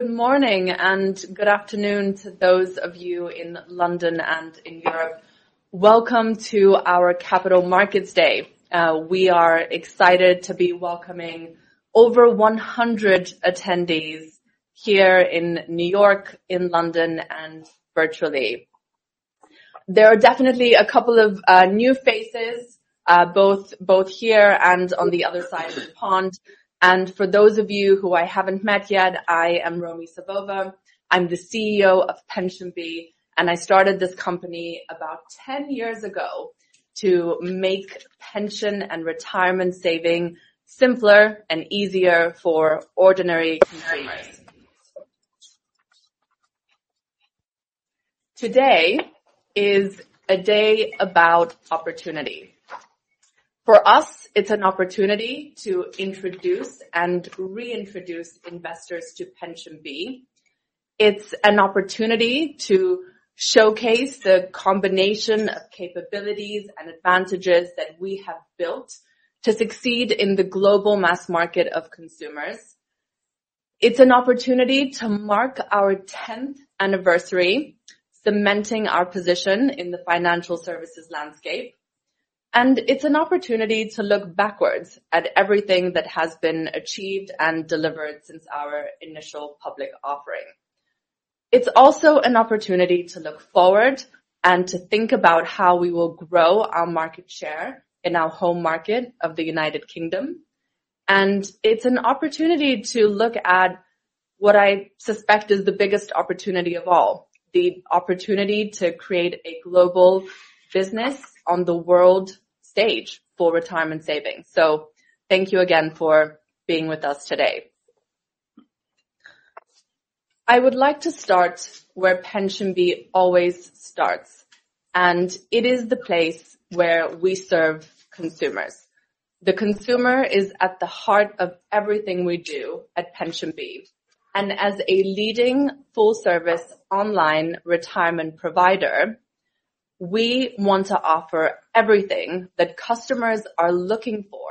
Good morning, and good afternoon to those of you in London and in Europe. Welcome to our Capital Markets Day. We are excited to be welcoming over 100 attendees here in New York, in London, and virtually. There are definitely a couple of new faces both here and on the other side of the pond, and for those of you who I haven't met yet, I am Romy Savova. I'm the CEO of PensionBee, and I started this company about ten years ago to make pension and retirement saving simpler and easier for ordinary consumers. Today is a day about opportunity. For us, it's an opportunity to introduce and reintroduce investors to PensionBee. It's an opportunity to showcase the combination of capabilities and advantages that we have built to succeed in the global mass market of consumers. It's an opportunity to mark our tenth anniversary, cementing our position in the financial services landscape, and it's an opportunity to look backwards at everything that has been achieved and delivered since our initial public offering. It's also an opportunity to look forward and to think about how we will grow our market share in our home market of the United Kingdom. It's an opportunity to look at what I suspect is the biggest opportunity of all, the opportunity to create a global business on the world stage for retirement savings. So thank you again for being with us today. I would like to start where PensionBee always starts, and it is the place where we serve consumers. The consumer is at the heart of everything we do at PensionBee, and as a leading full-service online retirement provider, we want to offer everything that customers are looking for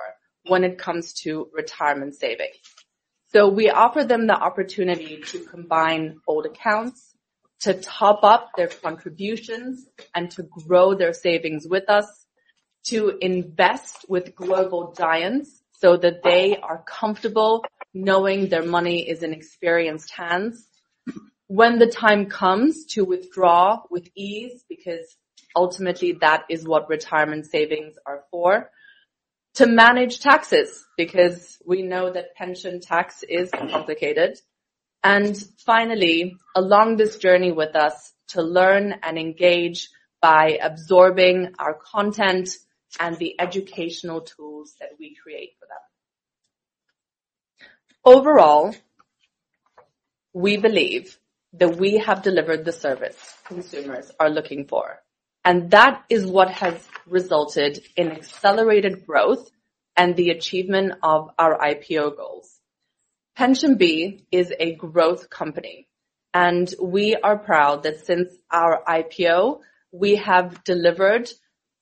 when it comes to retirement savings, so we offer them the opportunity to combine old accounts, to top up their contributions, and to grow their savings with us, to invest with global giants so that they are comfortable knowing their money is in experienced hands. When the time comes, to withdraw with ease, because ultimately that is what retirement savings are for, to manage taxes, because we know that pension tax is complicated, and finally, along this journey with us, to learn and engage by absorbing our content and the educational tools that we create for them. Overall, we believe that we have delivered the service consumers are looking for, and that is what has resulted in accelerated growth and the achievement of our IPO goals. PensionBee is a growth company, and we are proud that since our IPO, we have delivered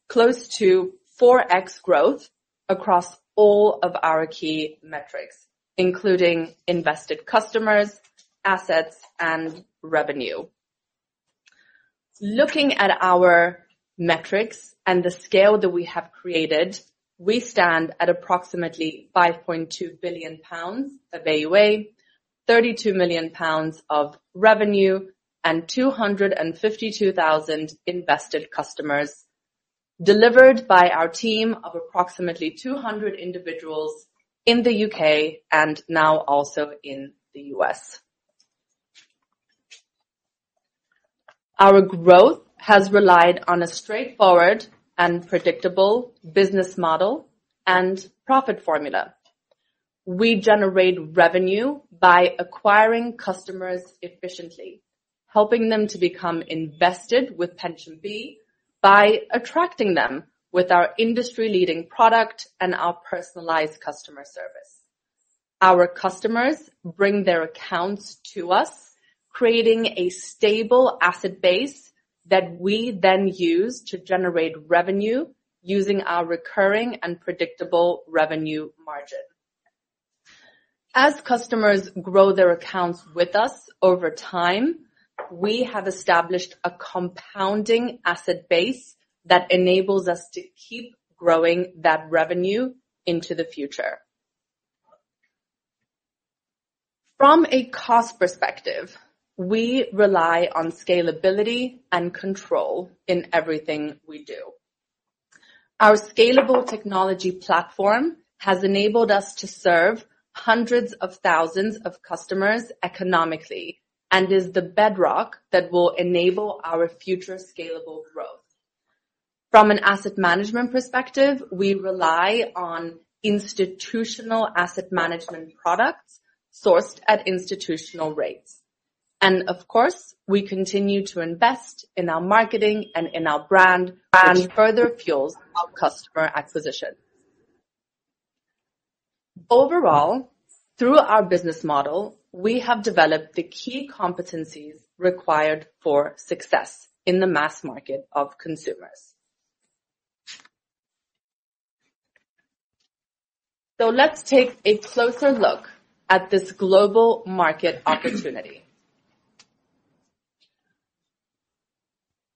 close to 4x growth across all of our key metrics, including invested customers, assets, and revenue. Looking at our metrics and the scale that we have created, we stand at approximately 5.2 billion pounds of AUA, 32 million pounds of revenue, and 252,000 invested customers, delivered by our team of approximately 200 individuals in the U.K. and now also in the U.S. Our growth has relied on a straightforward and predictable business model and profit formula. We generate revenue by acquiring customers efficiently, helping them to become invested with PensionBee by attracting them with our industry-leading product and our personalized customer service. Our customers bring their accounts to us, creating a stable asset base that we then use to generate revenue using our recurring and predictable revenue margin. As customers grow their accounts with us over time, we have established a compounding asset base that enables us to keep growing that revenue into the future. From a cost perspective, we rely on scalability and control in everything we do. Our scalable technology platform has enabled us to serve hundreds of thousands of customers economically, and is the bedrock that will enable our future scalable growth. From an asset management perspective, we rely on institutional asset management products sourced at institutional rates, and of course, we continue to invest in our marketing and in our brand, which further fuels our customer acquisition. Overall, through our business model, we have developed the key competencies required for success in the mass market of consumers. So let's take a closer look at this global market opportunity.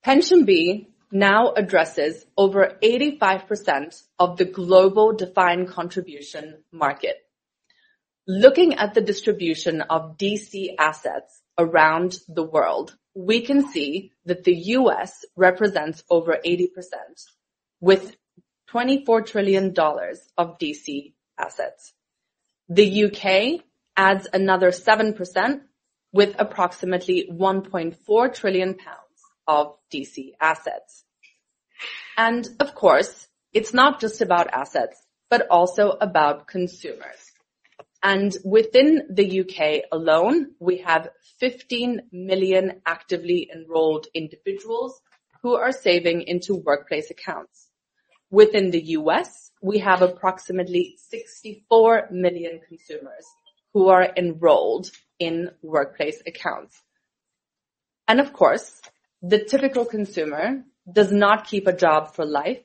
PensionBee now addresses over 85% of the global defined contribution market. Looking at the distribution of DC assets around the world, we can see that the U.S. represents over 80%, with $24 trillion of DC assets. The U.K. adds another 7% with approximately 1.4 trillion pounds of DC assets. Of course, it's not just about assets, but also about consumers. Within the U.K. alone, we have 15 million actively enrolled individuals who are saving into workplace accounts. Within the U.S., we have approximately 64 million consumers who are enrolled in workplace accounts. Of course, the typical consumer does not keep a job for life.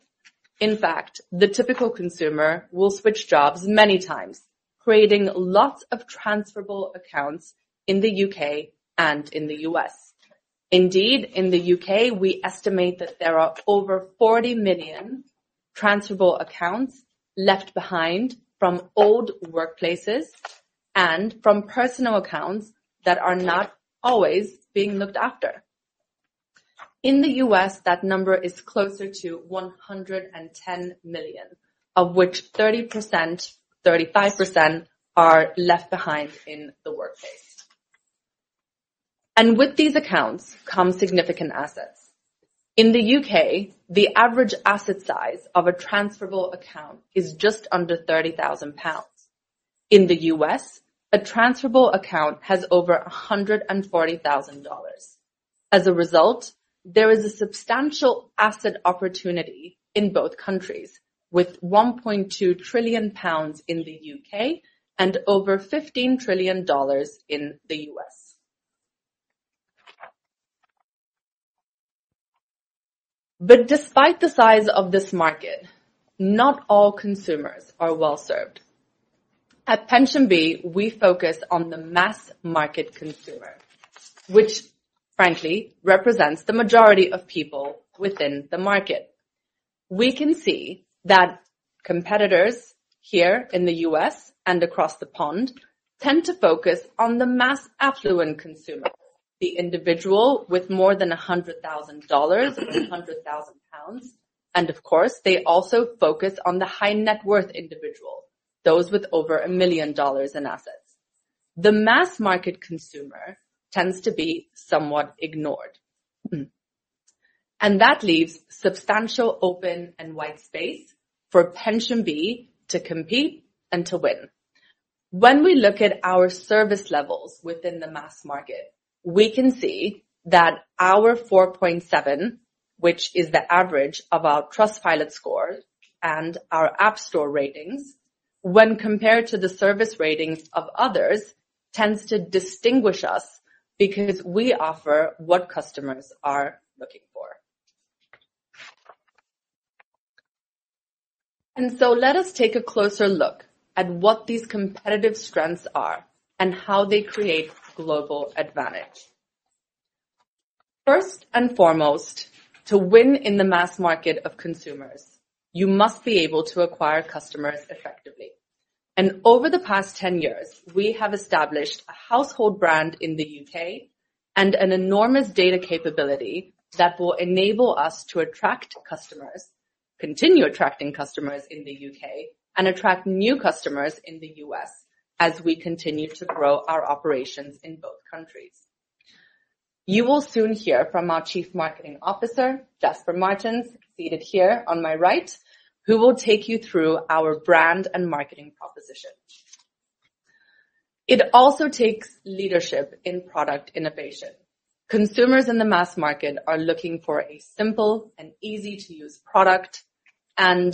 In fact, the typical consumer will switch jobs many times, creating lots of transferable accounts in the U.K. and in the U.S. Indeed, in the U.K., we estimate that there are over 40 million transferable accounts left behind from old workplaces and from personal accounts that are not always being looked after. In the U.S., that number is closer to 110 million, of which 30%, 35% are left behind in the workplace, and with these accounts come significant assets. In the U.K., the average asset size of a transferable account is just under 30,000 pounds. In the U.S., a transferable account has over $140,000. As a result, there is a substantial asset opportunity in both countries, with 1.2 trillion pounds in the U.K. and over $15 trillion in the U.S. But despite the size of this market, not all consumers are well served. At PensionBee, we focus on the mass market consumer, which frankly represents the majority of people within the market. We can see that competitors here in the U.S. and across the pond tend to focus on the mass affluent consumer, the individual with more than $100,000 or 100,000 pounds, and of course, they also focus on the high net worth individual, those with over $1 million in assets. The mass market consumer tends to be somewhat ignored. That leaves substantial open and white space for PensionBee to compete and to win. When we look at our service levels within the mass market, we can see that our 4.7, which is the average of our Trustpilot score and our App Store ratings, when compared to the service ratings of others, tends to distinguish us because we offer what customers are looking for. So let us take a closer look at what these competitive strengths are and how they create global advantage. First and foremost, to win in the mass market of consumers, you must be able to acquire customers effectively. Over the past ten years, we have established a household brand in the U.K. and an enormous data capability that will enable us to attract customers, continue attracting customers in the U.K., and attract new customers in the U.S. as we continue to grow our operations in both countries. You will soon hear from our Chief Marketing Officer, Jasper Martens, seated here on my right, who will take you through our brand and marketing proposition. It also takes leadership in product innovation. Consumers in the mass market are looking for a simple and easy-to-use product, and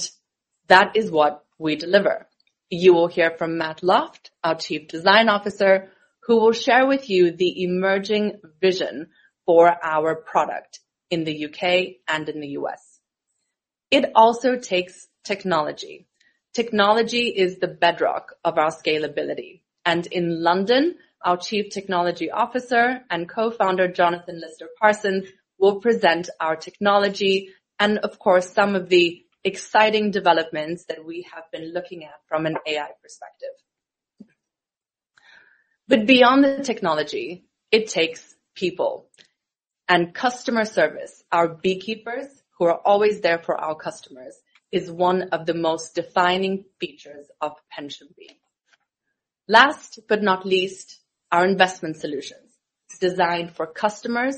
that is what we deliver. You will hear from Matt Loft, our Chief Design Officer, who will share with you the emerging vision for our product in the U.K. and in the U.S. It also takes technology. Technology is the bedrock of our scalability, and in London, our Chief Technology Officer and Co-founder, Jonathan Lister Parsons, will present our technology and of course, some of the exciting developments that we have been looking at from an AI perspective, but beyond the technology, it takes people and customer service, our Beekeepers, who are always there for our customers, is one of the most defining features of PensionBee. Last but not least, our investment solutions. It's designed for customers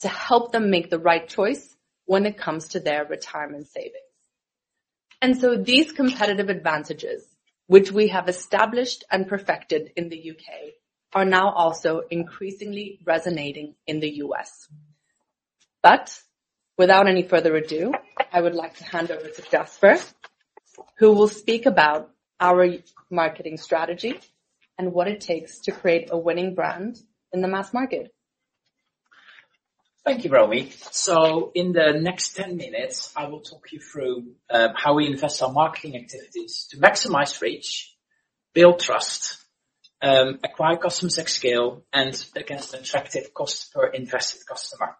to help them make the right choice when it comes to their retirement savings. So these competitive advantages, which we have established and perfected in the U.K., are now also increasingly resonating in the U.S., but without any further ado, I would like to hand over to Jasper, who will speak about our marketing strategy and what it takes to create a winning brand in the mass market. Thank you, Romy. So in the next ten minutes, I will talk you through how we invest our marketing activities to maximize reach, build trust, acquire customers at scale, and against an attractive cost per invested customer.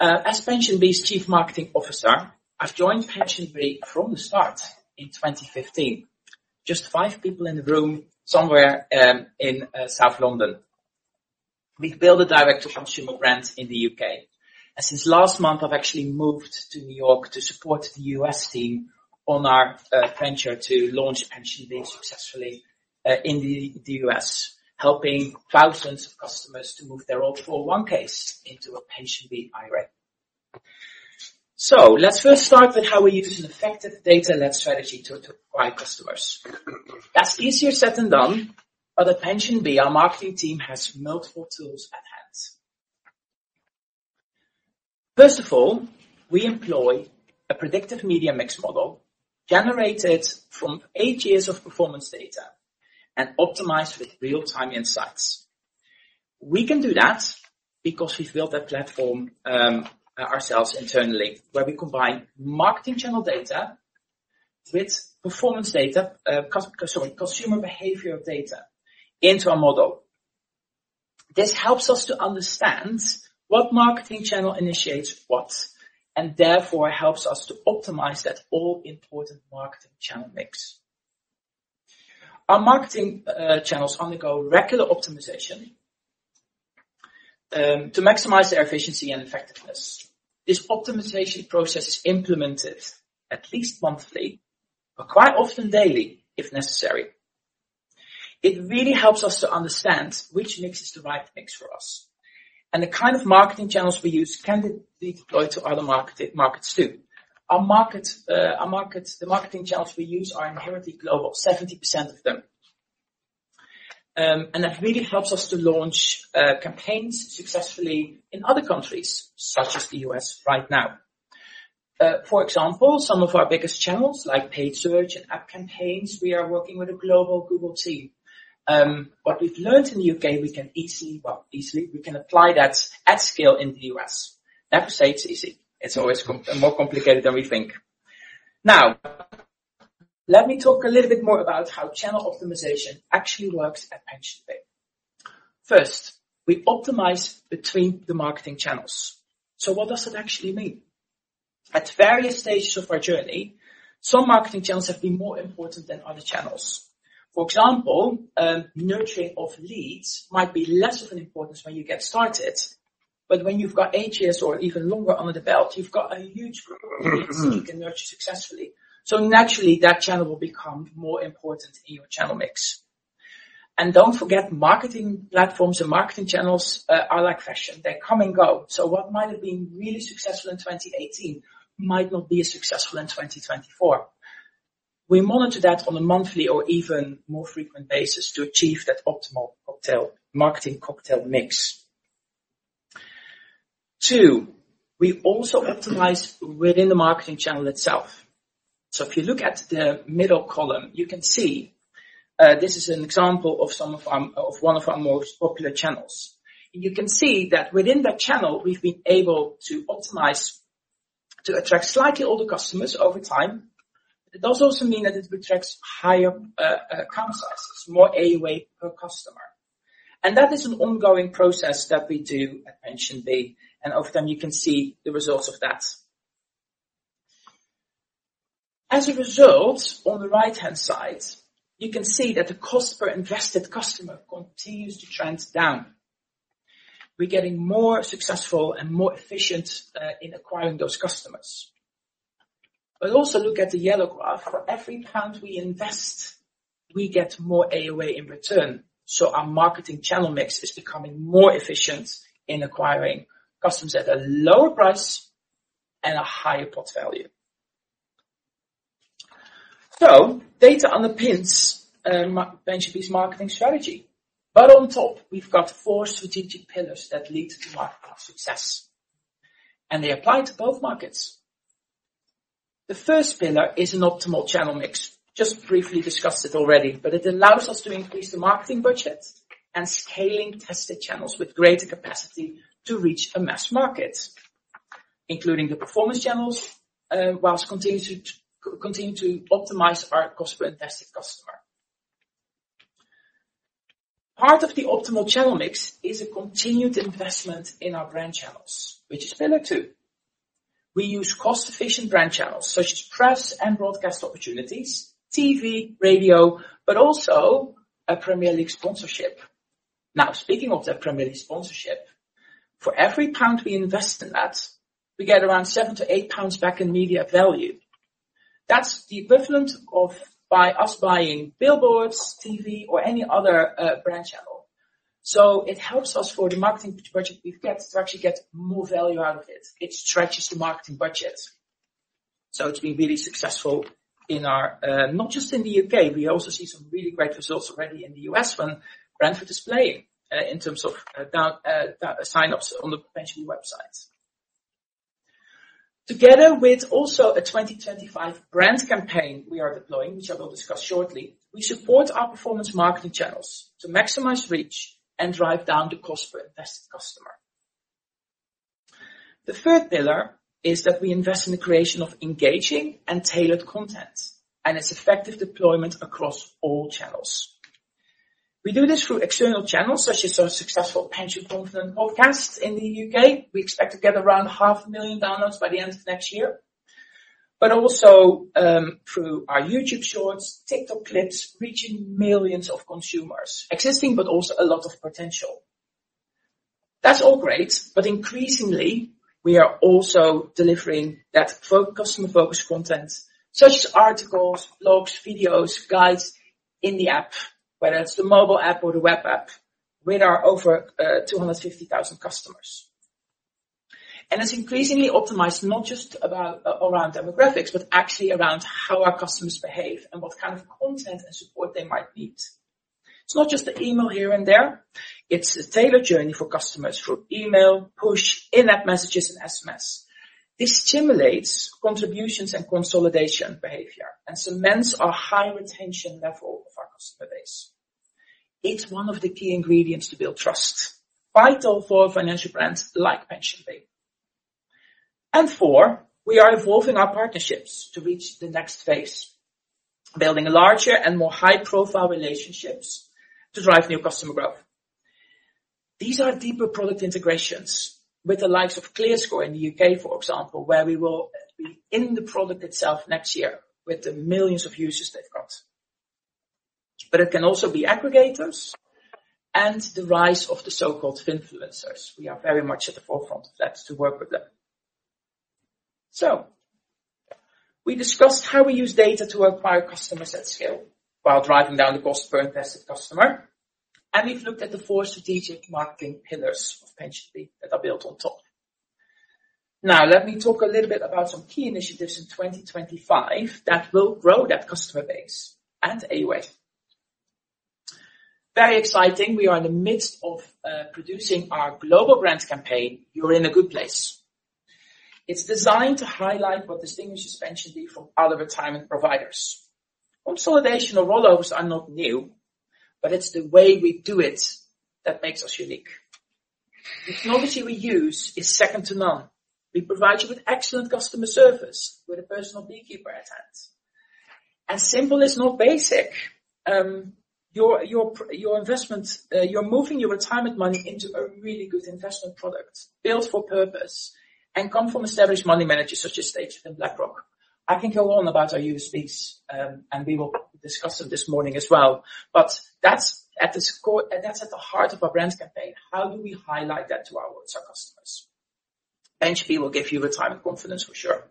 As PensionBee's Chief Marketing Officer, I've joined PensionBee from the start in 2015. Just five people in the room, somewhere in South London. We've built a direct-to-consumer brand in the U.K., and since last month, I've actually moved to New York to support the U.S. team on our venture to launch PensionBee successfully in the U.S., helping thousands of customers to move their old 401(k)s into a PensionBee IRA. So let's first start with how we use an effective data-led strategy to acquire customers. That's easier said than done, but at PensionBee, our marketing team has multiple tools at hand. First of all, we employ a predictive media mix model generated from eight years of performance data and optimized with real-time insights. We can do that because we've built a platform ourselves internally, where we combine marketing channel data with performance data, consumer behavioral data into a model. This helps us to understand what marketing channel initiates what, and therefore helps us to optimize that all important marketing channel mix. Our marketing channels undergo regular optimization to maximize their efficiency and effectiveness. This optimization process is implemented at least monthly, but quite often daily, if necessary. It really helps us to understand which mix is the right mix for us, and the kind of marketing channels we use can be deployed to other markets, too. Our market, the marketing channels we use are inherently global, 70% of them, and that really helps us to launch campaigns successfully in other countries, such as the U.S. right now. For example, some of our biggest channels, like paid search and app campaigns, we are working with a global Google team. What we've learned in the U.K., we can easily apply that at scale in the U.S. That besides is easy. It's always more complicated than we think. Now, let me talk a little bit more about how channel optimization actually works at PensionBee. First, we optimize between the marketing channels. So what does that actually mean? At various stages of our journey, some marketing channels have been more important than other channels. For example, nurturing of leads might be less of an importance when you get started, but when you've got eight years or even longer under the belt, you've got a huge group of leads that you can nurture successfully. So naturally, that channel will become more important in your channel mix, and don't forget, marketing platforms and marketing channels are like fashion. They come and go, so what might have been really successful in 2018 might not be as successful in 2024. We monitor that on a monthly or even more frequent basis to achieve that optimal cocktail, marketing cocktail mix. Two, we also optimize within the marketing channel itself. So if you look at the middle column, you can see this is an example of one of our most popular channels. You can see that within that channel, we've been able to optimize to attract slightly older customers over time. It does also mean that it attracts higher account sizes, more AUA per customer and that is an ongoing process that we do at PensionBee, and often you can see the results of that. As a result, on the right-hand side, you can see that the cost per invested customer continues to trend down. We're getting more successful and more efficient in acquiring those customers. But also look at the yellow graph. For every pound we invest, we get more AUA in return, so our marketing channel mix is becoming more efficient in acquiring customers at a lower price and a higher pot value. So data underpins PensionBee's marketing strategy, but on top, we've got four strategic pillars that lead to our success, and they apply to both markets. The first pillar is an optimal channel mix. Just briefly discussed it already, but it allows us to increase the marketing budget and scaling tested channels with greater capacity to reach a mass market, including the performance channels, while continuing to optimize our cost per invested customer. Part of the optimal channel mix is a continued investment in our brand channels, which is pillar two. We use cost-efficient brand channels such as press and broadcast opportunities, TV, radio, but also a Premier League sponsorship. Now, speaking of that Premier League sponsorship, for every pound we invest in that, we get around seven to eight pounds back in media value. That's the equivalent of by us buying billboards, TV, or any other brand channel. So it helps us for the marketing budget we've get to actually get more value out of it. It stretches the marketing budget, so it's been really successful in our not just in the U.K., we also see some really great results already in the U.S. when Brentford is playing in terms of sign-ups on the PensionBee websites. Together with also a 2025 brand campaign we are deploying, which I will discuss shortly, we support our performance marketing channels to maximize reach and drive down the cost per invested customer. The third pillar is that we invest in the creation of engaging and tailored content and its effective deployment across all channels. We do this through external channels, such as our successful Pension Confident Podcast in the U.K.. We expect to get around 500,000 downloads by the end of next year, but also through our YouTube Shorts, TikTok clips, reaching millions of consumers, existing, but also a lot of potential. That's all great, but increasingly, we are also delivering that customer-focused content, such as articles, blogs, videos, guides in the app, whether it's the mobile app or the web app, with our over 250,000 customers. It's increasingly optimized, not just about around demographics, but actually around how our customers behave and what kind of content and support they might need. It's not just an email here and there. It's a tailored journey for customers through email, push, in-app messages, and SMS. This stimulates contributions and consolidation behavior and cements our high retention level of our customer base. It's one of the key ingredients to build trust, vital for financial brands like PensionBee, and four, we are evolving our partnerships to reach the next phase, building larger and more high-profile relationships to drive new customer growth. These are deeper product integrations with the likes of ClearScore in the U.K., for example, where we will be in the product itself next year with the millions of users they've got, but it can also be aggregators and the rise of the so-called finfluencers. We are very much at the forefront of that to work with them. So we discussed how we use data to acquire customers at scale while driving down the cost per invested customer, and we've looked at the four strategic marketing pillars of PensionBee that are built on top. Now, let me talk a little bit about some key initiatives in 2025 that will grow that customer base and AUA. Very exciting, we are in the midst of producing our global brand campaign, You're In a Good Place. It's designed to highlight what distinguishes PensionBee from other retirement providers. Consolidation of rollovers are not new, but it's the way we do it that makes us unique. The technology we use is second to none. We provide you with excellent customer service, with a personal Beekeeper at hand and simple is not basic, your investment, you're moving your retirement money into a really good investment product, built for purpose and come from established money managers such as State Street and BlackRock. I can go on about our USPs, and we will discuss them this morning as well, but that's at the core and that's at the heart of our brand campaign. How do we highlight that to our customers? PensionBee will give you retirement confidence, for sure.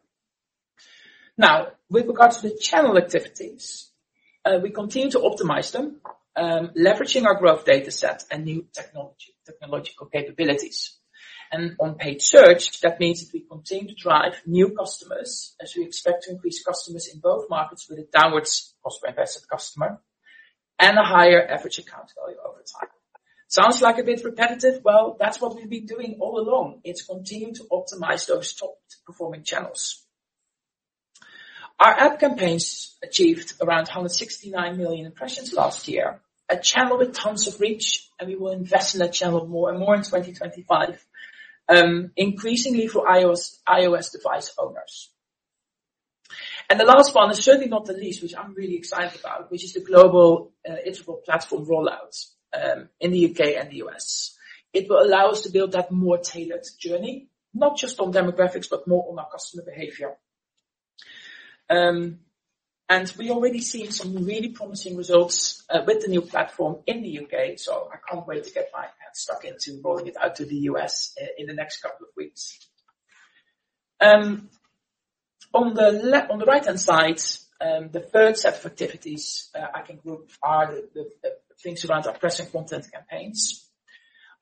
Now, with regards to the channel activities, we continue to optimize them, leveraging our growth data set and new technological capabilities. On paid search, that means that we continue to drive new customers as we expect to increase customers in both markets with a downwards cost per invested customer and a higher average account value over time. Sounds like a bit repetitive? Well, that's what we've been doing all along. It's continuing to optimize those top-performing channels. Our app campaigns achieved around 169 million impressions last year, a channel with tons of reach, and we will invest in that channel more and more in 2025, increasingly for iOS, iOS device owners. The last one, and certainly not the least, which I'm really excited about, which is the global Iterable platform rollout in the U.K. and the U.S. It will allow us to build that more tailored journey, not just on demographics, but more on our customer behavior. We're already seeing some really promising results with the new platform in the U.K., so I can't wait to get my hands stuck in to rolling it out to the U.S. in the next couple of weeks. On the right-hand side, the third set of activities I can group are the things around our press and content campaigns.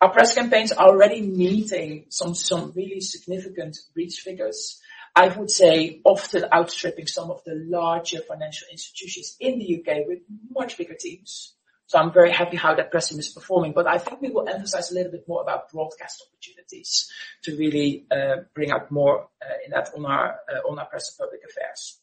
Our press campaigns are already meeting some really significant reach figures. I would say, often outstripping some of the larger financial institutions in the U.K. with much bigger teams. So I'm very happy how that press team is performing, but I think we will emphasize a little bit more about broadcast opportunities to really bring out more in that on our press and public affairs.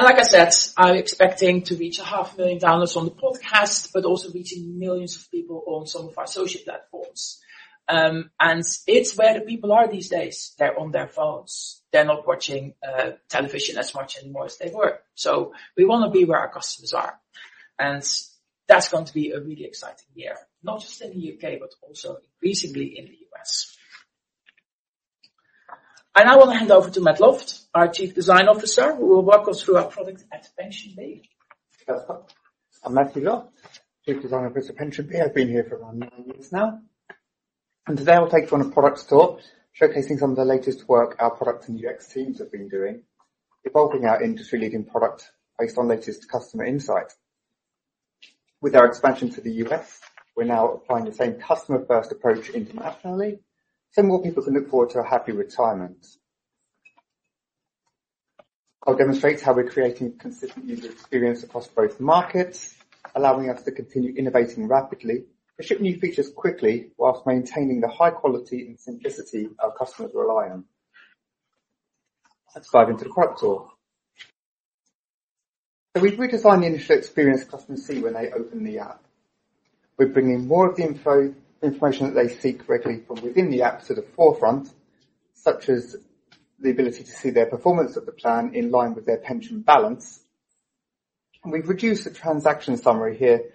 Like I said, I'm expecting to reach 500,000 downloads on the podcast, but also reaching millions of people on some of our social platforms. It's where the people are these days. They're on their phones. They're not watching television as much anymore as they were. So we want to be where our customers are, and that's going to be a really exciting year, not just in the U.K., but also increasingly in the U.S. I now want to hand over to Matt Loft, our Chief Design Officer, who will walk us through our products at PensionBee. I'm Matthew Loft, Chief Design Officer, PensionBee. I've been here for around nine years now, and today I'll take you on a product tour, showcasing some of the latest work our product and UX teams have been doing, evolving our industry-leading product based on latest customer insights. With our expansion to the U.S., we're now applying the same customer-first approach internationally, so more people can look forward to a happy retirement. I'll demonstrate how we're creating a consistent user experience across both markets, allowing us to continue innovating rapidly and ship new features quickly, whilst maintaining the high quality and simplicity our customers rely on. Let's dive into the product tour. So we've redesigned the initial experience customers see when they open the app. We're bringing more of the info, information that they seek directly from within the app to the forefront, such as the ability to see their performance of the plan in line with their pension balance. We've reduced the transaction summary here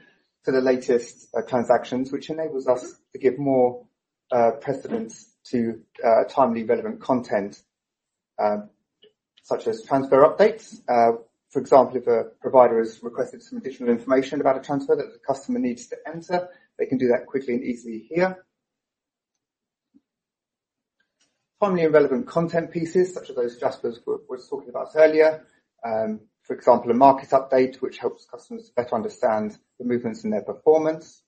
to the latest, transactions, which enables us to give more, precedence to, timely, relevant content, such as transfer updates. For example, if a provider has requested some additional information about a transfer that the customer needs to enter, they can do that quickly and easily here. Timely and relevant content pieces, such as those Jasper was talking about earlier. For example, a market update, which helps customers better understand the movements in their performance.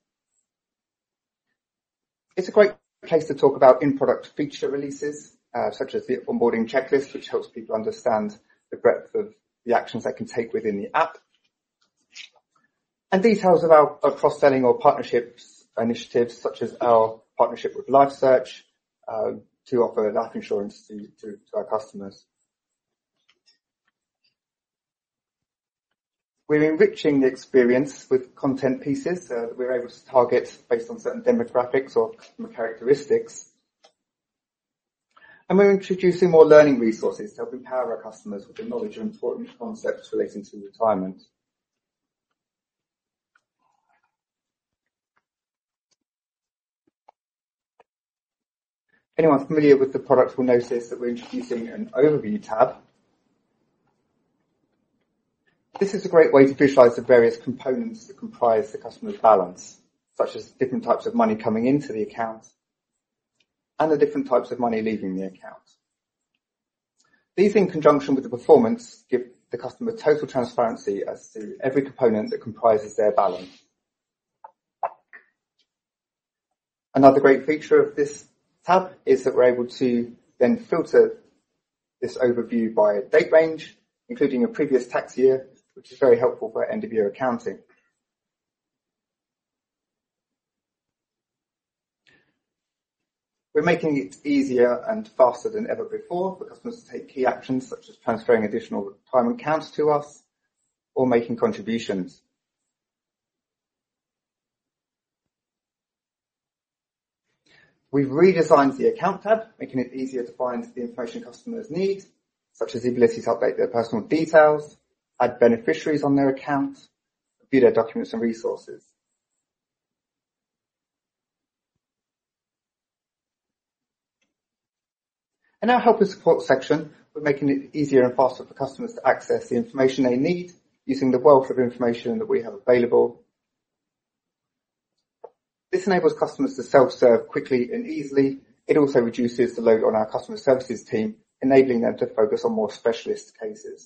It's a great place to talk about in-product feature releases, such as the onboarding checklist, which helps people understand the breadth of the actions they can take within the app. Details about our cross-selling or partnerships initiatives, such as our partnership with LifeSearch to offer life insurance to our customers. We're enriching the experience with content pieces, so we're able to target based on certain demographics or customer characteristics. We're introducing more learning resources to help empower our customers with the knowledge of important concepts relating to retirement. Anyone familiar with the product will notice that we're introducing an Overview tab. This is a great way to visualize the various components that comprise the customer's balance, such as different types of money coming into the account and the different types of money leaving the account. These, in conjunction with the performance, give the customer total transparency as to every component that comprises their balance. Another great feature of this tab is that we're able to then filter this overview by a date range, including a previous tax year, which is very helpful for end-of-year accounting. We're making it easier and faster than ever before for customers to take key actions, such as transferring additional retirement accounts to us or making contributions. We've redesigned the Account tab, making it easier to find the information customers need, such as the ability to update their personal details, add beneficiaries on their account, view their documents and resources. In our Help and Support section, we're making it easier and faster for customers to access the information they need, using the wealth of information that we have available. This enables customers to self-serve quickly and easily. It also reduces the load on our customer services team, enabling them to focus on more specialist cases.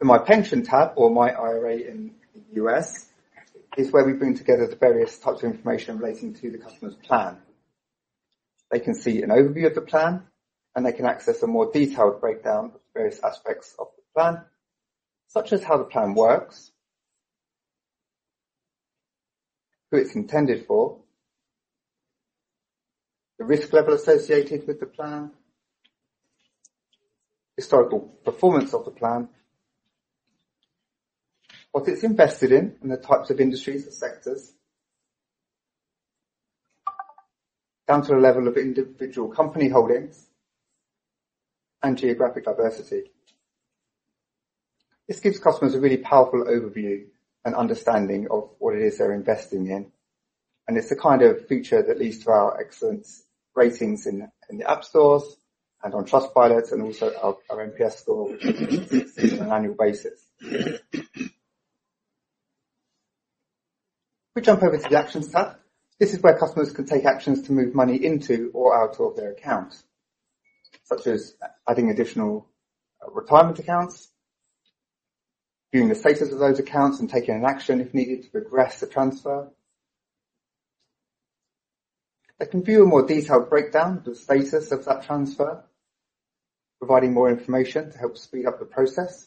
The My Pension tab, or My IRA in the U.S., is where we bring together the various types of information relating to the customer's plan. They can see an overview of the plan, and they can access a more detailed breakdown of the various aspects of the plan, such as how the plan works, who it's intended for, the risk level associated with the plan, historical performance of the plan, what it's invested in, and the types of industries or sectors, down to the level of individual company holdings and geographic diversity. This gives customers a really powerful overview and understanding of what it is they're investing in, and it's the kind of feature that leads to our excellent ratings in the app stores and on Trustpilot and also our NPS score, on an annual basis. We jump over to the Actions tab. This is where customers can take actions to move money into or out of their accounts, such as adding additional retirement accounts, viewing the status of those accounts, and taking an action, if needed, to progress the transfer. They can view a more detailed breakdown of the status of that transfer, providing more information to help speed up the process.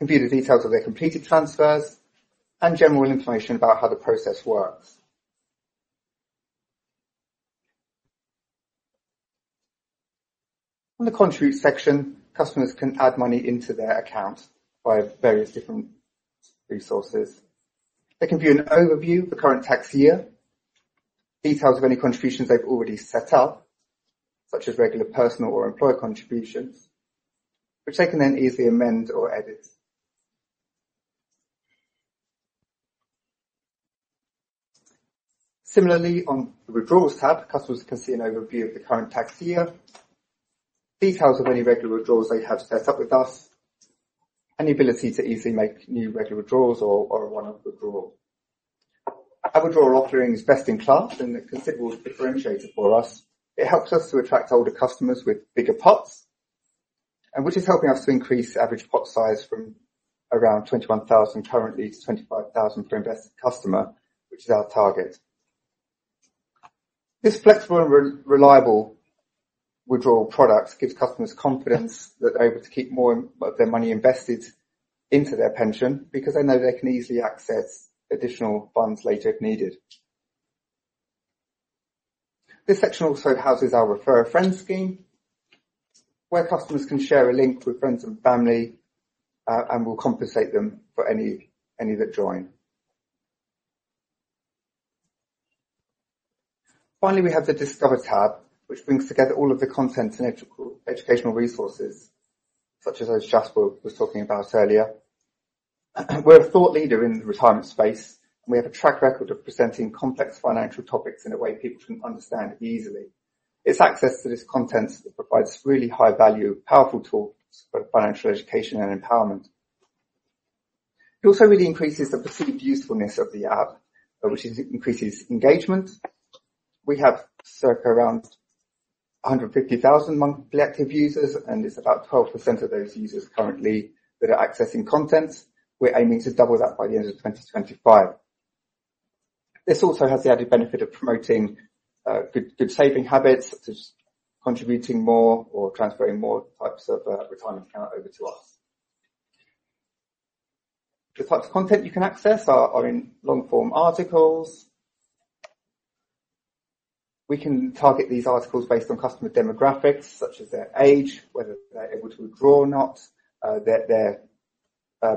They can view the details of their completed transfers and general information about how the process works. On the Contribute section, customers can add money into their account via various different resources. They can view an overview of the current tax year, details of any contributions they've already set up, such as regular, personal, or employer contributions, which they can then easily amend or edit. Similarly, on the Withdrawals tab, customers can see an overview of the current tax year, details of any regular withdrawals they have set up with us, and the ability to easily make new regular withdrawals or a one-off withdrawal. Our withdrawal offering is best in class and a considerable differentiator for us. It helps us to attract older customers with bigger pots, and which is helping us to increase average pot size from around 21,000 currently to 25,000 per invested customer, which is our target. This flexible and reliable withdrawal product gives customers confidence that they're able to keep more of their money invested into their pension because they know they can easily access additional funds later if needed. This section also houses our Refer a Friend scheme, where customers can share a link with friends and family, and we'll compensate them for any that join. Finally, we have the Discover tab, which brings together all of the content and educational resources, such as those Jasper was talking about earlier. We're a thought leader in the retirement space, and we have a track record of presenting complex financial topics in a way people can understand easily. It's access to this content that provides really high value, powerful tools for financial education and empowerment. It also really increases the perceived usefulness of the app, which increases engagement. We have circa around 150,000 monthly active users, and it's about 12% of those users currently that are accessing content. We're aiming to double that by the end of 2025. This also has the added benefit of promoting good saving habits, such as contributing more or transferring more types of retirement account over to us. The types of content you can access are in long-form articles. We can target these articles based on customer demographics, such as their age, whether they're able to withdraw or not, their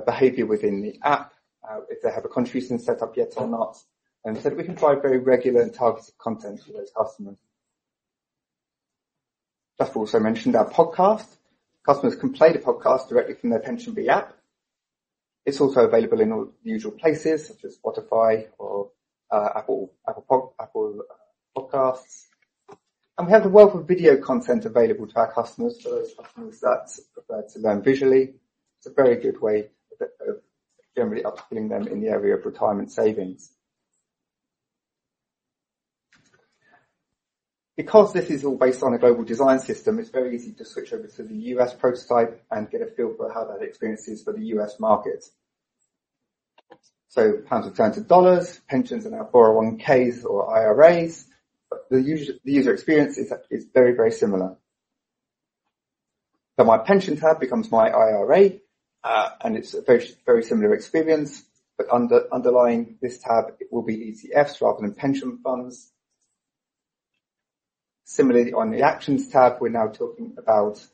behavior within the app, if they have a contribution set up yet or not. So we can provide very regular and targeted content for those customers. Jasper also mentioned our podcast. Customers can play the podcast directly from their PensionBee app. It's also available in all the usual places, such as Spotify or Apple Podcasts, and we have a wealth of video content available to our customers, for those customers that prefer to learn visually. It's a very good way of generally upselling them in the area of retirement savings. Because this is all based on a global design system, it's very easy to switch over to the U.S. prototype and get a feel for how that experience is for the U.S. market. So pounds will turn to dollars, pensions and now 401(k)s or IRAs, but the user experience is very similar. The My Pension tab becomes My IRA, and it's a very similar experience, but underlying this tab, it will be ETFs rather than pension funds. Similarly, on the Actions tab, we're now talking about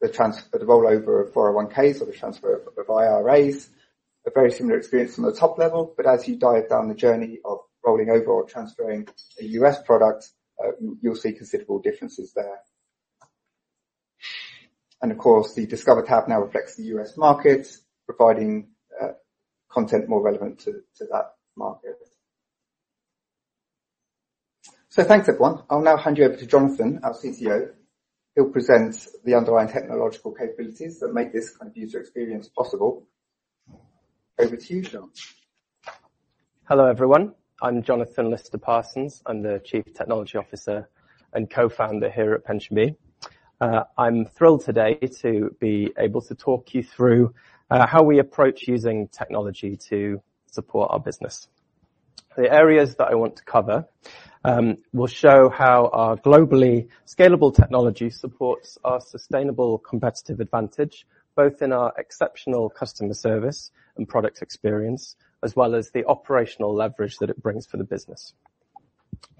the transfer, the rollover of 401(k)s or the transfer of IRAs. A very similar experience from the top level, but as you dive down the journey of rolling over or transferring a U.S. product, you'll see considerable differences there. Of course, the Discover tab now reflects the U.S. market, providing content more relevant to that market. So thanks, everyone. I'll now hand you over to Jonathan, our CTO. He'll present the underlying technological capabilities that make this kind of user experience possible. Over to you, John. Hello, everyone. I'm Jonathan Lister Parsons. I'm the Chief Technology Officer and Co-founder here at PensionBee. I'm thrilled today to be able to talk you through how we approach using technology to support our business. The areas that I want to cover will show how our globally scalable technology supports our sustainable competitive advantage, both in our exceptional customer service and product experience, as well as the operational leverage that it brings for the business.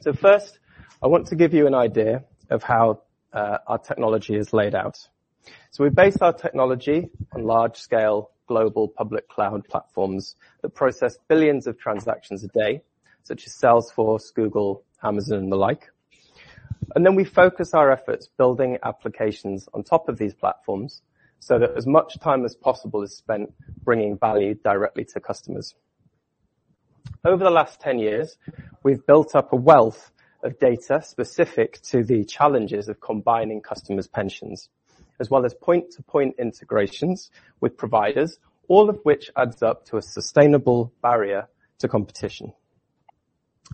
So first, I want to give you an idea of how our technology is laid out. So we've based our technology on large scale, global public cloud platforms that process billions of transactions a day, such as Salesforce, Google, Amazon, and the like. Then we focus our efforts building applications on top of these platforms so that as much time as possible is spent bringing value directly to customers. Over the last ten years, we've built up a wealth of data specific to the challenges of combining customers' pensions, as well as point-to-point integrations with providers, all of which adds up to a sustainable barrier to competition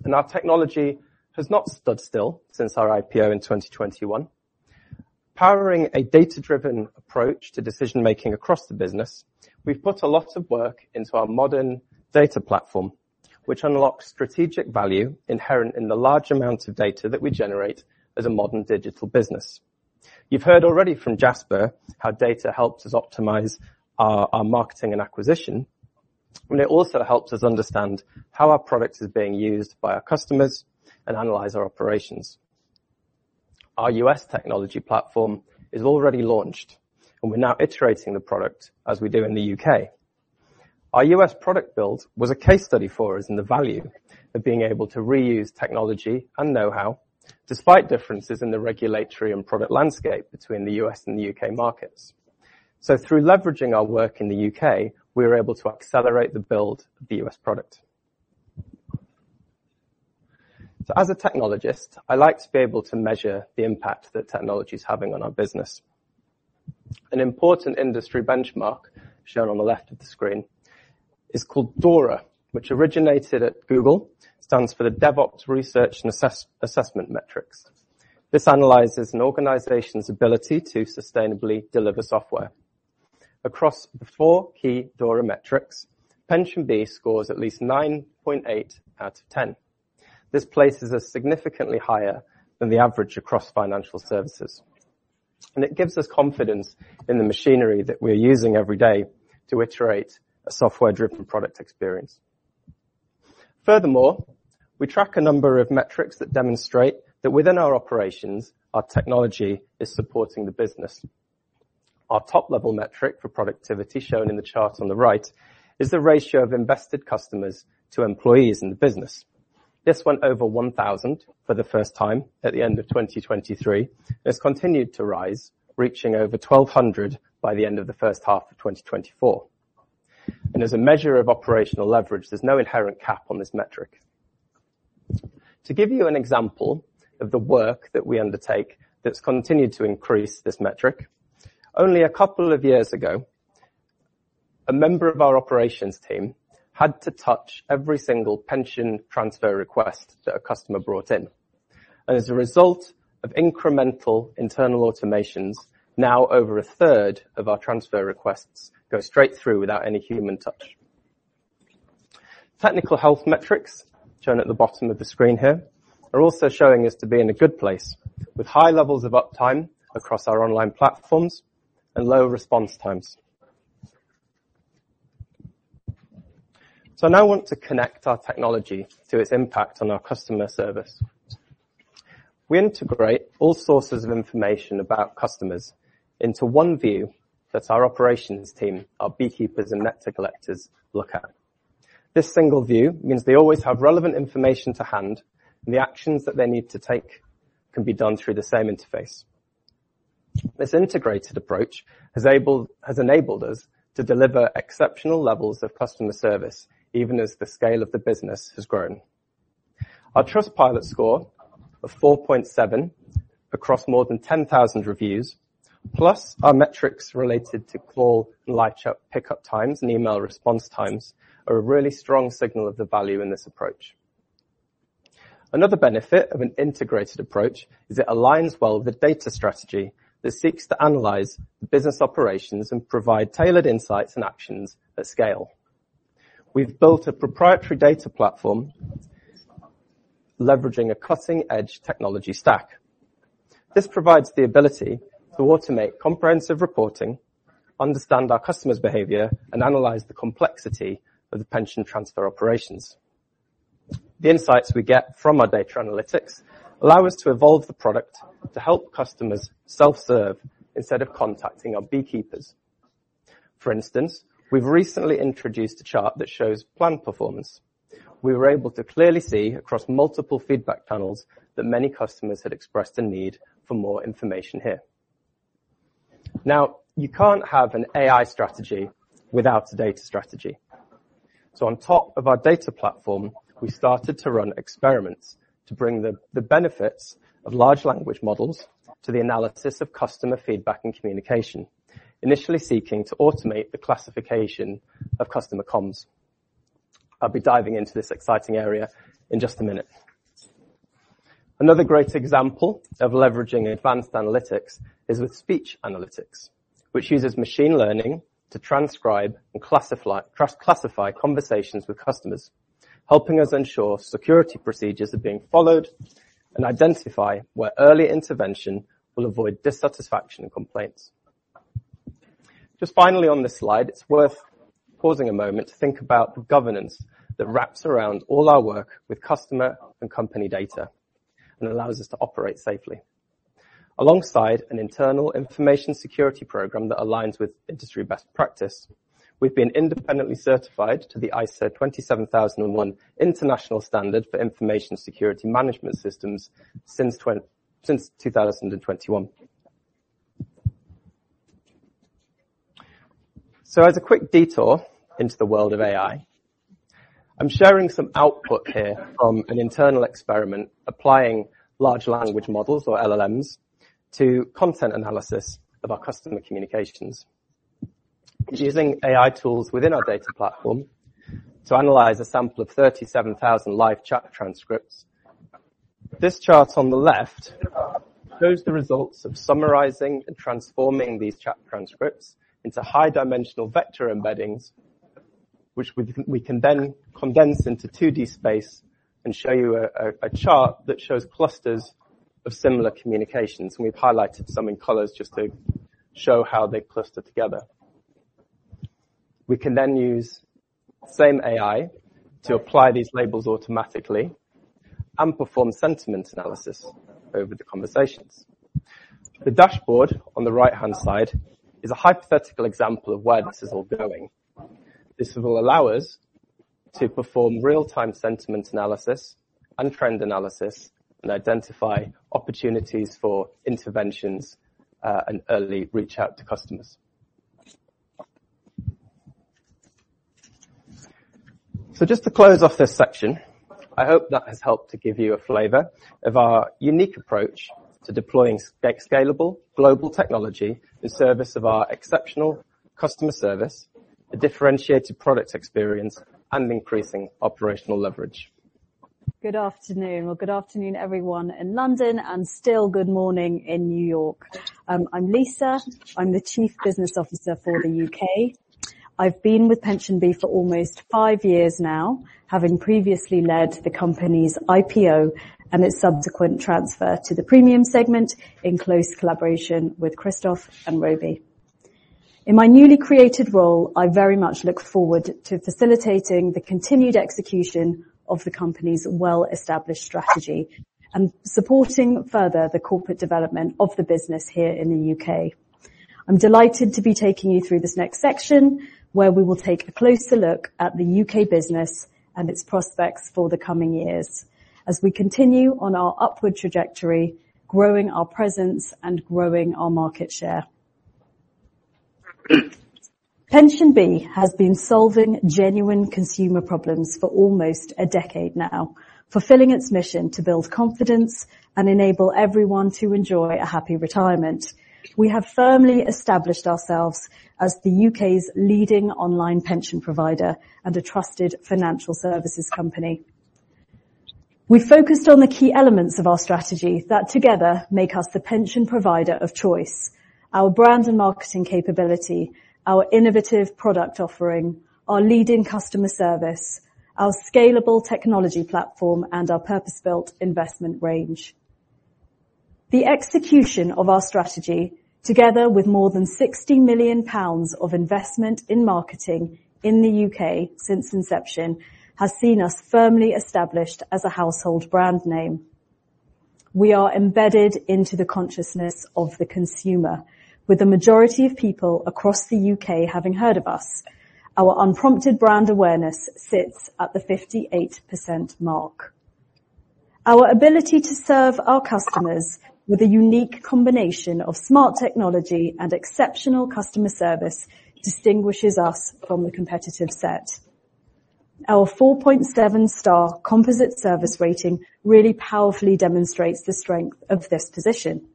and our technology has not stood still since our IPO in 2021. Powering a data-driven approach to decision-making across the business, we've put a lot of work into our modern data platform, which unlocks strategic value inherent in the large amount of data that we generate as a modern digital business. You've heard already from Jasper how data helps us optimize our marketing and acquisition, and it also helps us understand how our product is being used by our customers and analyze our operations. Our U.S. technology platform is already launched, and we're now iterating the product as we do in the U.K. Our U.S. product build was a case study for us in the value of being able to reuse technology and know-how, despite differences in the regulatory and product landscape between the U.S. and the U.K. markets. So through leveraging our work in the U.K., we were able to accelerate the build of the U.S. product. So as a technologist, I like to be able to measure the impact that technology is having on our business. An important industry benchmark, shown on the left of the screen, is called DORA, which originated at Google. Stands for the DevOps Research and Assessment Metrics. This analyzes an organization's ability to sustainably deliver software. Across the four key DORA metrics, PensionBee scores at least 9.8 out of 10. This places us significantly higher than the average across financial services, and it gives us confidence in the machinery that we're using every day to iterate a software-driven product experience. Furthermore, we track a number of metrics that demonstrate that within our operations, our technology is supporting the business. Our top-level metric for productivity, shown in the chart on the right, is the ratio of invested customers to employees in the business. This went over 1,000 for the first time at the end of 2023, and it's continued to rise, reaching over 1,200 by the end of the first half of 2024, and as a measure of operational leverage, there's no inherent cap on this metric. To give you an example of the work that we undertake that's continued to increase this metric, only a couple of years ago, a member of our operations team had to touch every single pension transfer request that a customer brought in. As a result of incremental internal automations, now, over 1/3 of our transfer requests go straight through without any human touch. Technical health metrics, shown at the bottom of the screen here, are also showing us to be in a good place, with high levels of uptime across our online platforms and low response times. So I now want to connect our technology to its impact on our customer service. We integrate all sources of information about customers into one view that our operations team, our Beekeepers and Nectar Collectors look at. This single view means they always have relevant information to hand, and the actions that they need to take can be done through the same interface. This integrated approach has enabled us to deliver exceptional levels of customer service, even as the scale of the business has grown. Our Trustpilot score of 4.7 across more than 10,000 reviews, plus our metrics related to call and live chat pickup times and email response times, are a really strong signal of the value in this approach. Another benefit of an integrated approach is it aligns well with the data strategy that seeks to analyze the business operations and provide tailored insights and actions at scale. We've built a proprietary data platform leveraging a cutting-edge technology stack. This provides the ability to automate comprehensive reporting, understand our customers' behavior, and analyze the complexity of the pension transfer operations. The insights we get from our data analytics allow us to evolve the product to help customers self-serve instead of contacting our Beekeepers. For instance, we've recently introduced a chart that shows plan performance. We were able to clearly see across multiple feedback channels that many customers had expressed a need for more information here. Now, you can't have an AI strategy without a data strategy. So on top of our data platform, we started to run experiments to bring the benefits of large language models to the analysis of customer feedback and communication, initially seeking to automate the classification of customer comms. I'll be diving into this exciting area in just a minute. Another great example of leveraging advanced analytics is with speech analytics, which uses machine learning to transcribe and classify conversations with customers, helping us ensure security procedures are being followed and identify where early intervention will avoid dissatisfaction and complaints. Just finally on this slide, it's worth pausing a moment to think about the governance that wraps around all our work with customer and company data and allows us to operate safely. Alongside an internal information security program that aligns with industry best practice, we've been independently certified to the ISO 27001 International Standard for Information Security Management Systems since 2021. So as a quick detour into the world of AI, I'm sharing some output here from an internal experiment applying large language models or LLMs to content analysis of our customer communications. It's using AI tools within our data platform to analyze a sample of 37,000 live chat transcripts. This chart on the left shows the results of summarizing and transforming these chat transcripts into high-dimensional vector embeddings, which we can then condense into 2D space and show you a chart that shows clusters of similar communications, and we've highlighted some in colors just to show how they cluster together. We can then use same AI to apply these labels automatically and perform sentiment analysis over the conversations. The dashboard on the right-hand side is a hypothetical example of where this is all going. This will allow us to perform real-time sentiment analysis and trend analysis, and identify opportunities for interventions, and early reach out to customers. So just to close off this section, I hope that has helped to give you a flavor of our unique approach to deploying scalable global technology in service of our exceptional customer service, a differentiated product experience, and increasing operational leverage. Good afternoon, or good afternoon, everyone in London, and still good morning in New York. I'm Lisa. I'm the Chief Business Officer for the U.K. I've been with PensionBee for almost five years now, having previously led the company's IPO and its subsequent transfer to the premium segment in close collaboration with Christoph and Romy. In my newly created role, I very much look forward to facilitating the continued execution of the company's well-established strategy and supporting further the corporate development of the business here in the U.K.. I'm delighted to be taking you through this next section, where we will take a closer look at the U.K. business and its prospects for the coming years as we continue on our upward trajectory, growing our presence and growing our market share. PensionBee has been solving genuine consumer problems for almost a decade now, fulfilling its mission to build confidence and enable everyone to enjoy a happy retirement. We have firmly established ourselves as the U.K.'s leading online pension provider and a trusted financial services company. We focused on the key elements of our strategy that together make us the pension provider of choice: our brand and marketing capability, our innovative product offering, our leading customer service, our scalable technology platform, and our purpose-built investment range. The execution of our strategy, together with more than 60 million pounds of investment in marketing in the U.K. since inception, has seen us firmly established as a household brand name. We are embedded into the consciousness of the consumer, with the majority of people across the U.K. having heard of us. Our unprompted brand awareness sits at the 58% mark. Our ability to serve our customers with a unique combination of smart technology and exceptional customer service distinguishes us from the competitive set. Our 4.7-star composite service rating really powerfully demonstrates the strength of this position.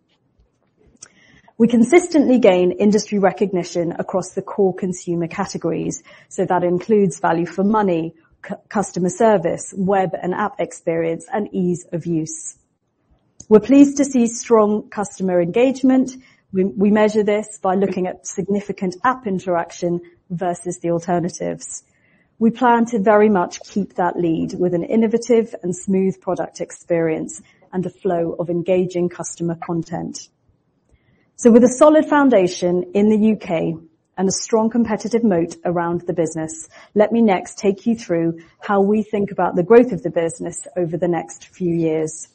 We consistently gain industry recognition across the core consumer categories, so that includes value for money, customer service, web and app experience, and ease of use. We're pleased to see strong customer engagement. We measure this by looking at significant app interaction versus the alternatives. We plan to very much keep that lead with an innovative and smooth product experience and a flow of engaging customer content. So with a solid foundation in the U.K. and a strong competitive moat around the business, let me next take you through how we think about the growth of the business over the next few years.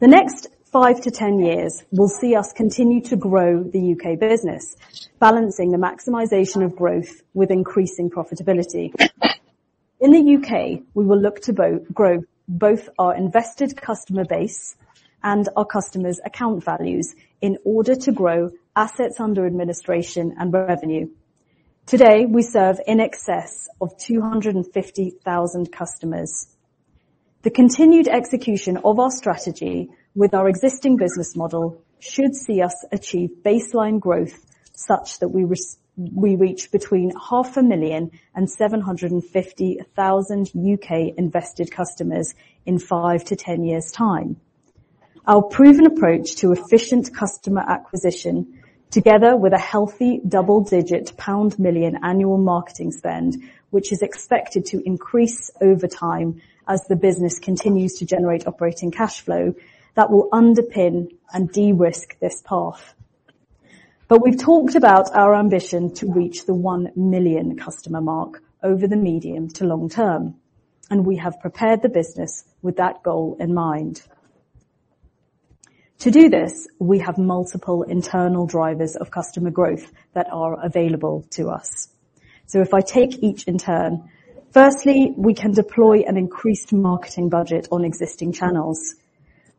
The next 5-10 years will see us continue to grow the U.K. business, balancing the maximization of growth with increasing profitability. In the U.K., we will look to grow both our invested customer base and our customers' account values in order to grow assets under administration and revenue. Today, we serve in excess of 250,000 customers. The continued execution of our strategy with our existing business model should see us achieve baseline growth such that we reach between 500,000 and 750,000 U.K. invested customers in 5-10 years' time. Our proven approach to efficient customer acquisition, together with a healthy double-digit pound million annual marketing spend, which is expected to increase over time as the business continues to generate operating cash flow, that will underpin and de-risk this path. But we've talked about our ambition to reach the one million customer mark over the medium to long term, and we have prepared the business with that goal in mind. To do this, we have multiple internal drivers of customer growth that are available to us. So if I take each in turn: firstly, we can deploy an increased marketing budget on existing channels.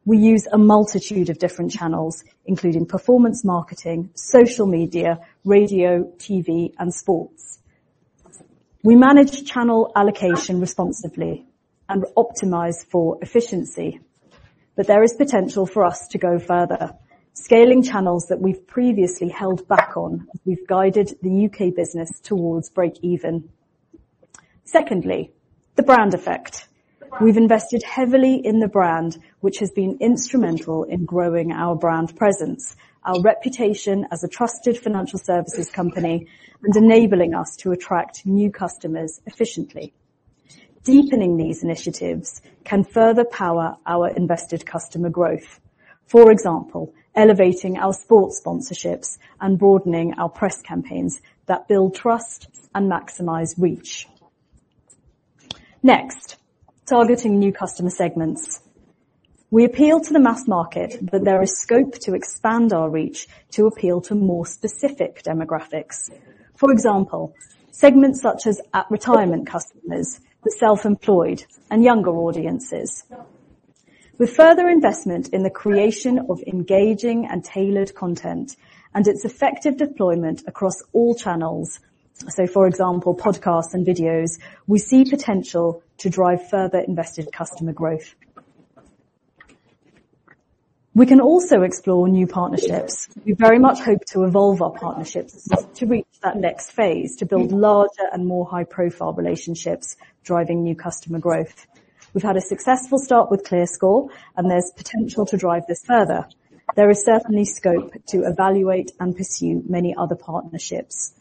We use a multitude of different channels, including performance marketing, social media, radio, TV, and sports. We manage channel allocation responsively and optimize for efficiency, but there is potential for us to go further, scaling channels that we've previously held back on as we've guided the U.K. business towards break even. Secondly, the brand effect. We've invested heavily in the brand, which has been instrumental in growing our brand presence, our reputation as a trusted financial services company, and enabling us to attract new customers efficiently. Deepening these initiatives can further power our invested customer growth. For example, elevating our sports sponsorships and broadening our press campaigns that build trust and maximize reach. Next, targeting new customer segments. We appeal to the mass market, but there is scope to expand our reach to appeal to more specific demographics. For example, segments such as at-retirement customers, the self-employed, and younger audiences. With further investment in the creation of engaging and tailored content and its effective deployment across all channels, so for example, podcasts and videos, we see potential to drive further invested customer growth. We can also explore new partnerships. We very much hope to evolve our partnerships to reach that next phase, to build larger and more high-profile relationships, driving new customer growth. We've had a successful start with ClearScore, and there's potential to drive this further. There is certainly scope to evaluate and pursue many other partnerships,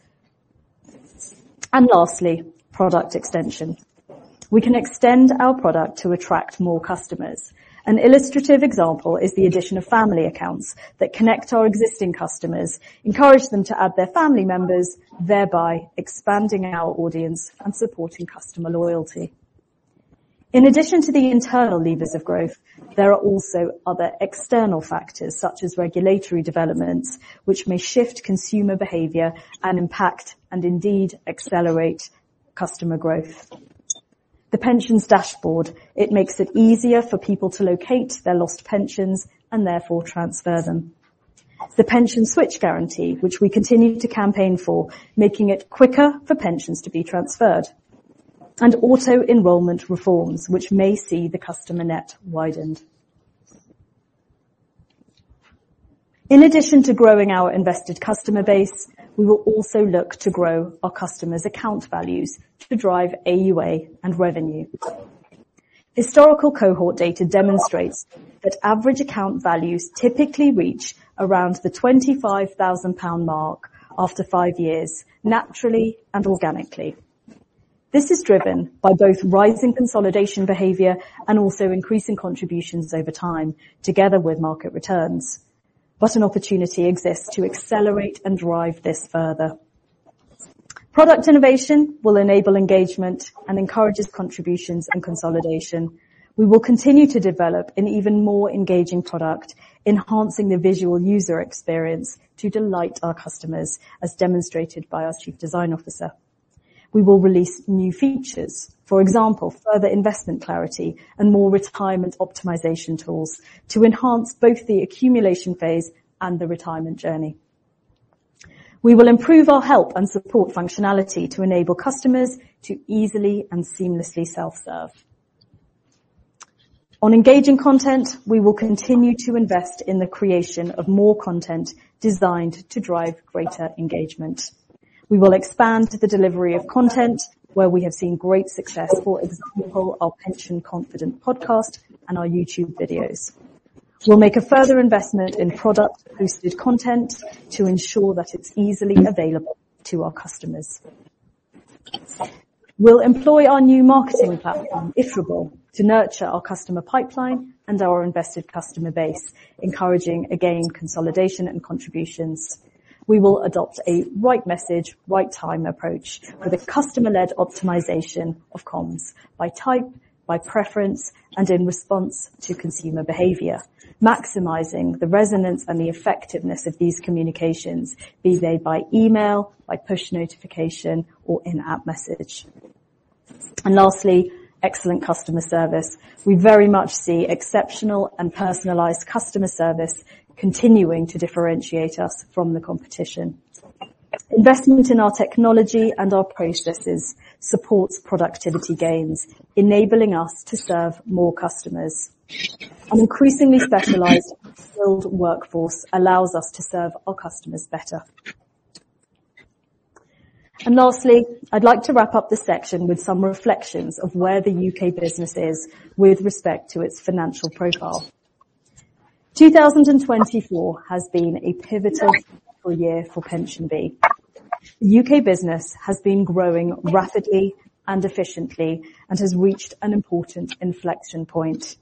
and lastly, product extension. We can extend our product to attract more customers. An illustrative example is the addition of family accounts that connect our existing customers, encourage them to add their family members, thereby expanding our audience and supporting customer loyalty. In addition to the internal levers of growth, there are also other external factors, such as regulatory developments, which may shift consumer behavior and impact and indeed accelerate customer growth. The pensions dashboard. It makes it easier for people to locate their lost pensions and therefore transfer them. The Pension Switch Guarantee, which we continue to campaign for, making it quicker for pensions to be transferred, and auto-enrollment reforms, which may see the customer net widened. In addition to growing our invested customer base, we will also look to grow our customers' account values to drive AUA and revenue. Historical cohort data demonstrates that average account values typically reach around the 25,000 pound mark after five years, naturally and organically. This is driven by both rising consolidation behavior and also increasing contributions over time, together with market returns, but an opportunity exists to accelerate and drive this further. Product innovation will enable engagement and encourages contributions and consolidation. We will continue to develop an even more engaging product, enhancing the visual user experience to delight our customers, as demonstrated by our Chief Design Officer. We will release new features, for example, further investment clarity and more retirement optimization tools, to enhance both the accumulation phase and the retirement journey. We will improve our help and support functionality to enable customers to easily and seamlessly self-serve. On engaging content, we will continue to invest in the creation of more content designed to drive greater engagement. We will expand the delivery of content where we have seen great success. For example, our Pension Confident Podcast and our YouTube videos. We'll make a further investment in product-boosted content to ensure that it's easily available to our customers. We'll employ our new marketing platform, Iterable, to nurture our customer pipeline and our invested customer base, encouraging, again, consolidation and contributions. We will adopt a right message, right time approach with a customer-led optimization of comms by type, by preference, and in response to consumer behavior, maximizing the resonance and the effectiveness of these communications, be they by email, by push notification, or in-app message. Lastly, excellent customer service. We very much see exceptional and personalized customer service continuing to differentiate us from the competition. Investment in our technology and our processes supports productivity gains, enabling us to serve more customers. An increasingly specialized skilled workforce allows us to serve our customers better. Lastly, I'd like to wrap up this section with some reflections of where the U.K. business is with respect to its financial profile. 2024 has been a pivotal year for PensionBee. U.K. business has been growing rapidly and efficiently and has reached an important inflection point.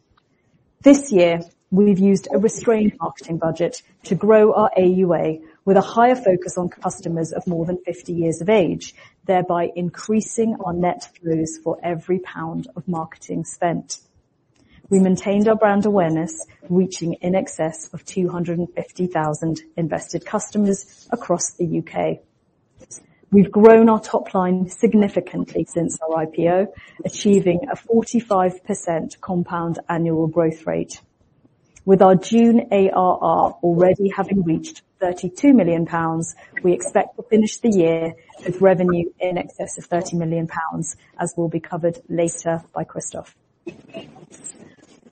This year, we've used a restrained marketing budget to grow our AUA with a higher focus on customers of more than 50 years of age, thereby increasing our net flows for every pound of marketing spent. We maintained our brand awareness, reaching in excess of 250,000 invested customers across the U.K. We've grown our top line significantly since our IPO, achieving a 45% compound annual growth rate. With our June ARR already having reached 32 million pounds, we expect to finish the year with revenue in excess of 30 million pounds, as will be covered later by Christoph.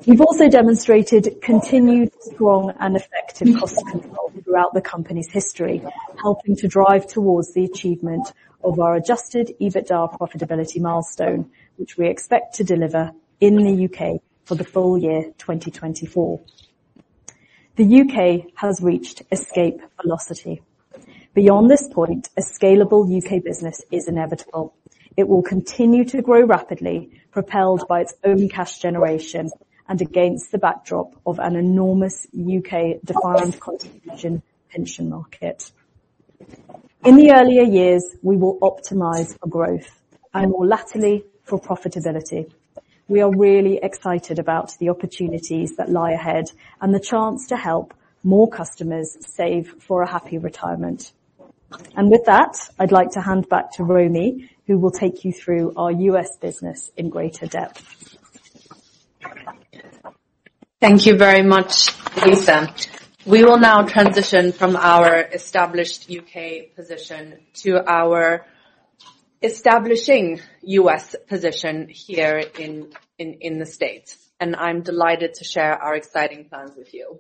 We've also demonstrated continued, strong, and effective cost control throughout the company's history, helping to drive towards the achievement of our adjusted EBITDA profitability milestone, which we expect to deliver in the U.K. for the full year 2024. The U.K. has reached escape velocity. Beyond this point, a scalable U.K. business is inevitable. It will continue to grow rapidly, propelled by its own cash generation and against the backdrop of an enormous U.K. defined contribution pension market. In the earlier years, we will optimize for growth and more latterly, for profitability. We are really excited about the opportunities that lie ahead and the chance to help more customers save for a happy retirement. With that, I'd like to hand back to Romy, who will take you through our US business in greater depth. Thank you very much, Lisa. We will now transition from our established U.K. position to our establishing U.S. position here in the States, and I'm delighted to share our exciting plans with you.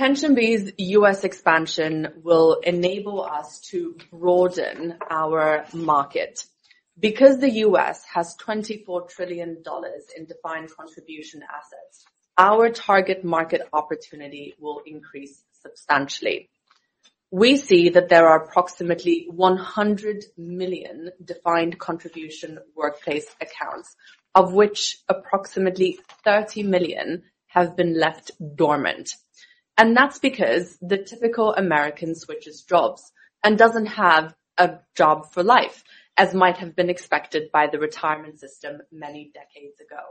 PensionBee's U.S. expansion will enable us to broaden our market. Because the U.S. has $24 trillion in defined contribution assets, our target market opportunity will increase substantially. We see that there are approximately 100 million defined contribution workplace accounts, of which approximately 30 million have been left dormant and that's because the typical American switches jobs and doesn't have a job for life, as might have been expected by the retirement system many decades ago.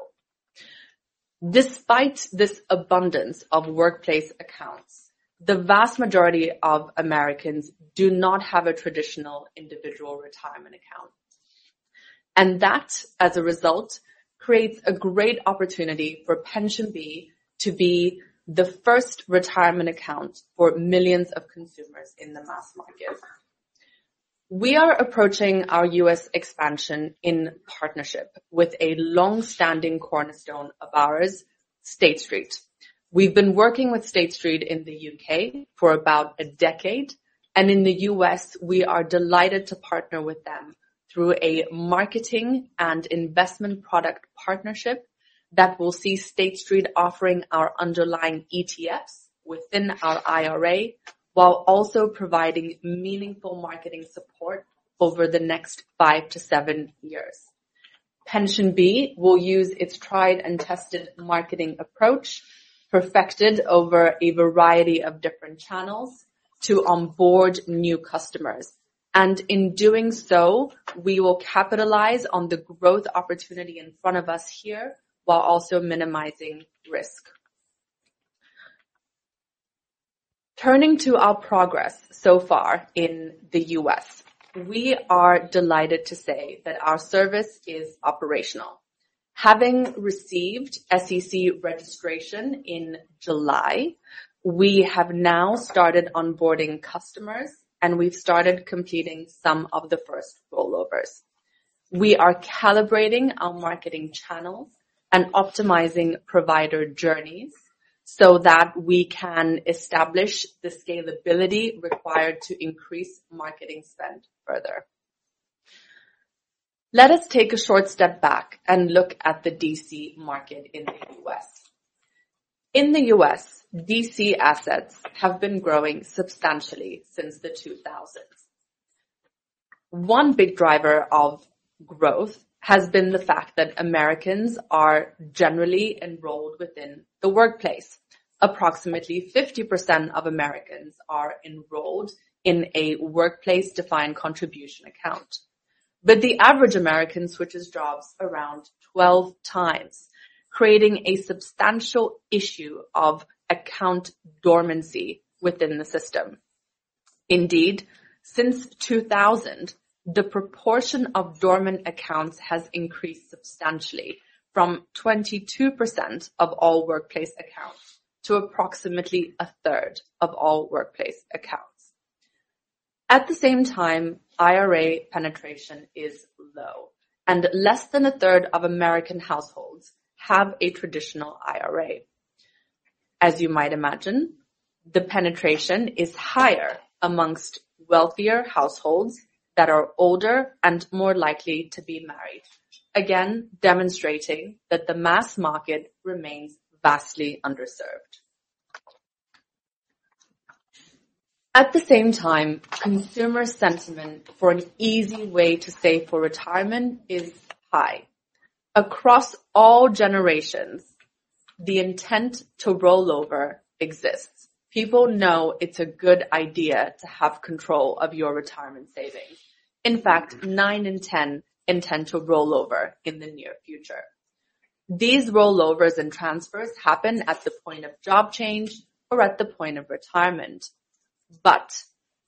Despite this abundance of workplace accounts, the vast majority of Americans do not have a traditional individual retirement account. That, as a result, creates a great opportunity for PensionBee to be the first retirement account for millions of consumers in the mass market. We are approaching our U.S. expansion in partnership with a long-standing cornerstone of ours, State Street. We've been working with State Street in the U.K. for about a decade, and in the U.S., we are delighted to partner with them through a marketing and investment product partnership that will see State Street offering our underlying ETFs within our IRA, while also providing meaningful marketing support over the next 5-7 years. PensionBee will use its tried and tested marketing approach, perfected over a variety of different channels to onboard new customers, and in doing so, we will capitalize on the growth opportunity in front of us here, while also minimizing risk. Turning to our progress so far in the U.S., we are delighted to say that our service is operational. Having received SEC registration in July, we have now started onboarding customers, and we've started completing some of the first rollovers. We are calibrating our marketing channels and optimizing provider journeys so that we can establish the scalability required to increase marketing spend further. Let us take a short step back and look at the DC market in the U.S. In the U.S., DC assets have been growing substantially since the 2000s. One big driver of growth has been the fact that Americans are generally enrolled within the workplace. Approximately 50% of Americans are enrolled in a workplace defined contribution account. But the average American switches jobs around twelve times, creating a substantial issue of account dormancy within the system. Indeed, since 2000, the proportion of dormant accounts has increased substantially from 22% of all workplace accounts to approximately 1/3 of all workplace accounts. At the same time, IRA penetration is low, and less than 1/3 of American households have a traditional IRA. As you might imagine, the penetration is higher among wealthier households that are older and more likely to be married. Again, demonstrating that the mass market remains vastly underserved. At the same time, consumer sentiment for an easy way to save for retirement is high. Across all generations, the intent to rollover exists. People know it's a good idea to have control of your retirement savings. In fact, nine in ten intend to rollover in the near future. These rollovers and transfers happen at the point of job change or at the point of retirement, but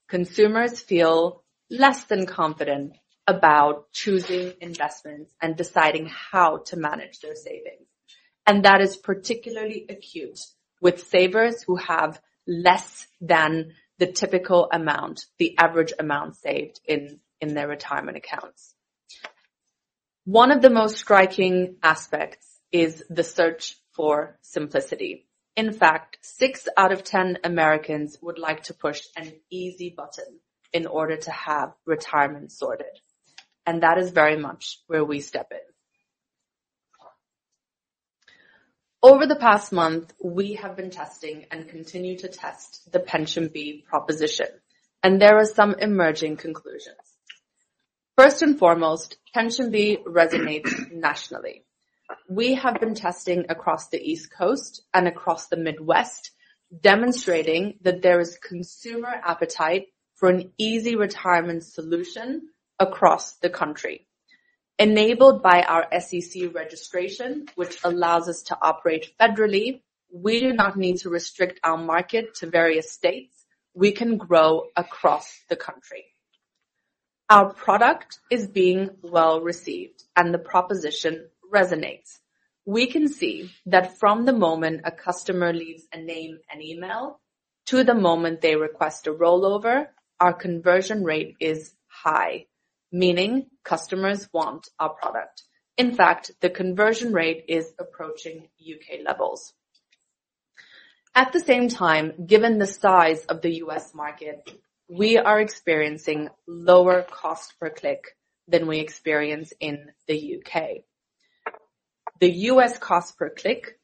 consumers feel less than confident about choosing investments and deciding how to manage their savings, and that is particularly acute with savers who have less than the typical amount, the average amount saved in their retirement accounts. One of the most striking aspects is the search for simplicity. In fact, six out of ten Americans would like to push an easy button in order to have retirement sorted, and that is very much where we step in. Over the past month, we have been testing and continue to test the PensionBee proposition, and there are some emerging conclusions. First and foremost, PensionBee resonates nationally. We have been testing across the East Coast and across the Midwest, demonstrating that there is consumer appetite for an easy retirement solution across the country... Enabled by our SEC registration, which allows us to operate federally, we do not need to restrict our market to various states. We can grow across the country. Our product is being well-received, and the proposition resonates. We can see that from the moment a customer leaves a name and email, to the moment they request a rollover, our conversion rate is high, meaning customers want our product. In fact, the conversion rate is approaching U.K. levels. At the same time, given the size of the U.S. market, we are experiencing lower cost per click than we experience in the U.K. The U.S. cost per click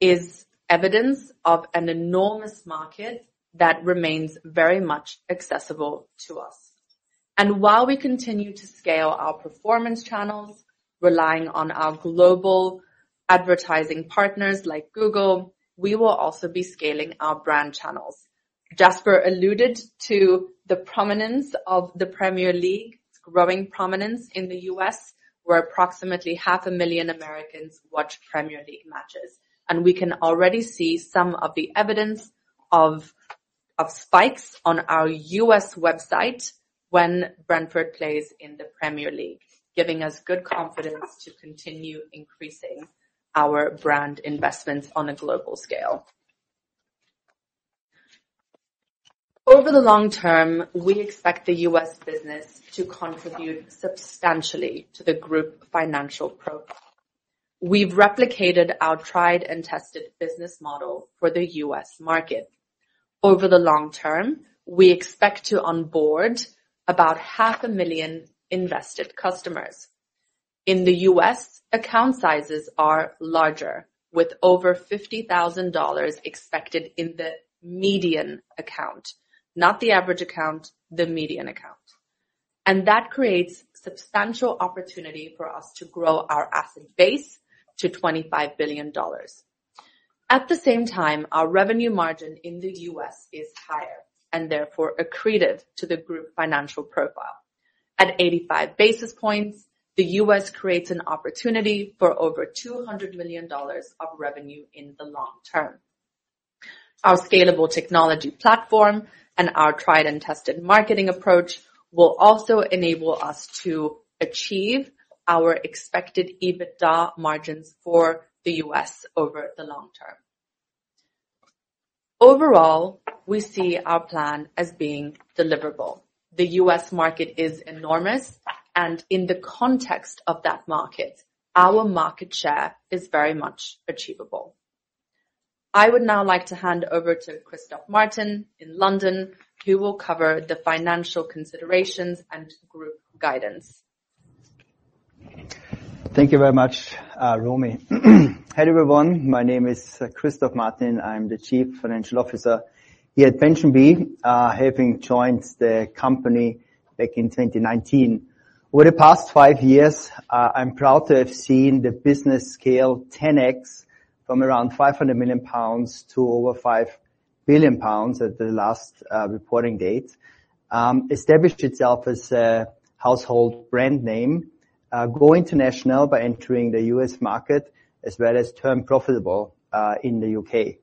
is evidence of an enormous market that remains very much accessible to us, and while we continue to scale our performance channels, relying on our global advertising partners like Google, we will also be scaling our brand channels. Jasper alluded to the prominence of the Premier League, growing prominence in the U.S., where approximately 500,000 Americans watch Premier League matches. We can already see some of the evidence of spikes on our U.S. website when Brentford plays in the Premier League, giving us good confidence to continue increasing our brand investments on a global scale. Over the long term, we expect the U.S. business to contribute substantially to the group financial profile. We've replicated our tried and tested business model for the U.S. market. Over the long term, we expect to onboard about 500,000 invested customers. In the U.S., account sizes are larger, with over $50,000 expected in the median account, not the average account, the median account. That creates substantial opportunity for us to grow our asset base to $25 billion. At the same time, our revenue margin in the U.S. is higher, and therefore accretive to the group financial profile. At 85 basis points, the U.S. creates an opportunity for over $200 million of revenue in the long term. Our scalable technology platform and our tried and tested marketing approach will also enable us to achieve our expected EBITDA margins for the U.S. over the long term. Overall, we see our plan as being deliverable. The U.S. market is enormous, and in the context of that market, our market share is very much achievable. I would now like to hand over to Christoph Martin in London, who will cover the financial considerations and group guidance. Thank you very much, Romy. Hello, everyone. My name is Christoph Martin. I'm the Chief Financial Officer here at PensionBee, having joined the company back in 2019. Over the past five years, I'm proud to have seen the business scale 10x from around 500 million pounds to over 5 billion pounds at the last reporting date, established itself as a household brand name, go international by entering the U.S. market, as well as turn profitable in the U.K.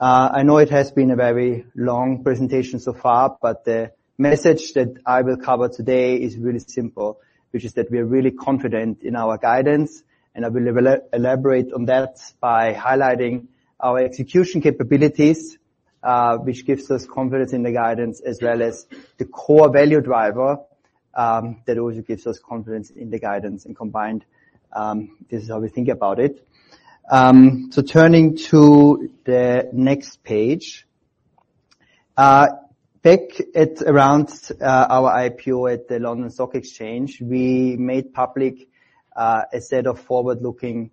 I know it has been a very long presentation so far, but the message that I will cover today is really simple, which is that we are really confident in our guidance, and I will elaborate on that by highlighting our execution capabilities, which gives us confidence in the guidance, as well as the core value driver, that also gives us confidence in the guidance, and combined, this is how we think about it. So turning to the next page. Back at around our IPO at the London Stock Exchange, we made public a set of forward-looking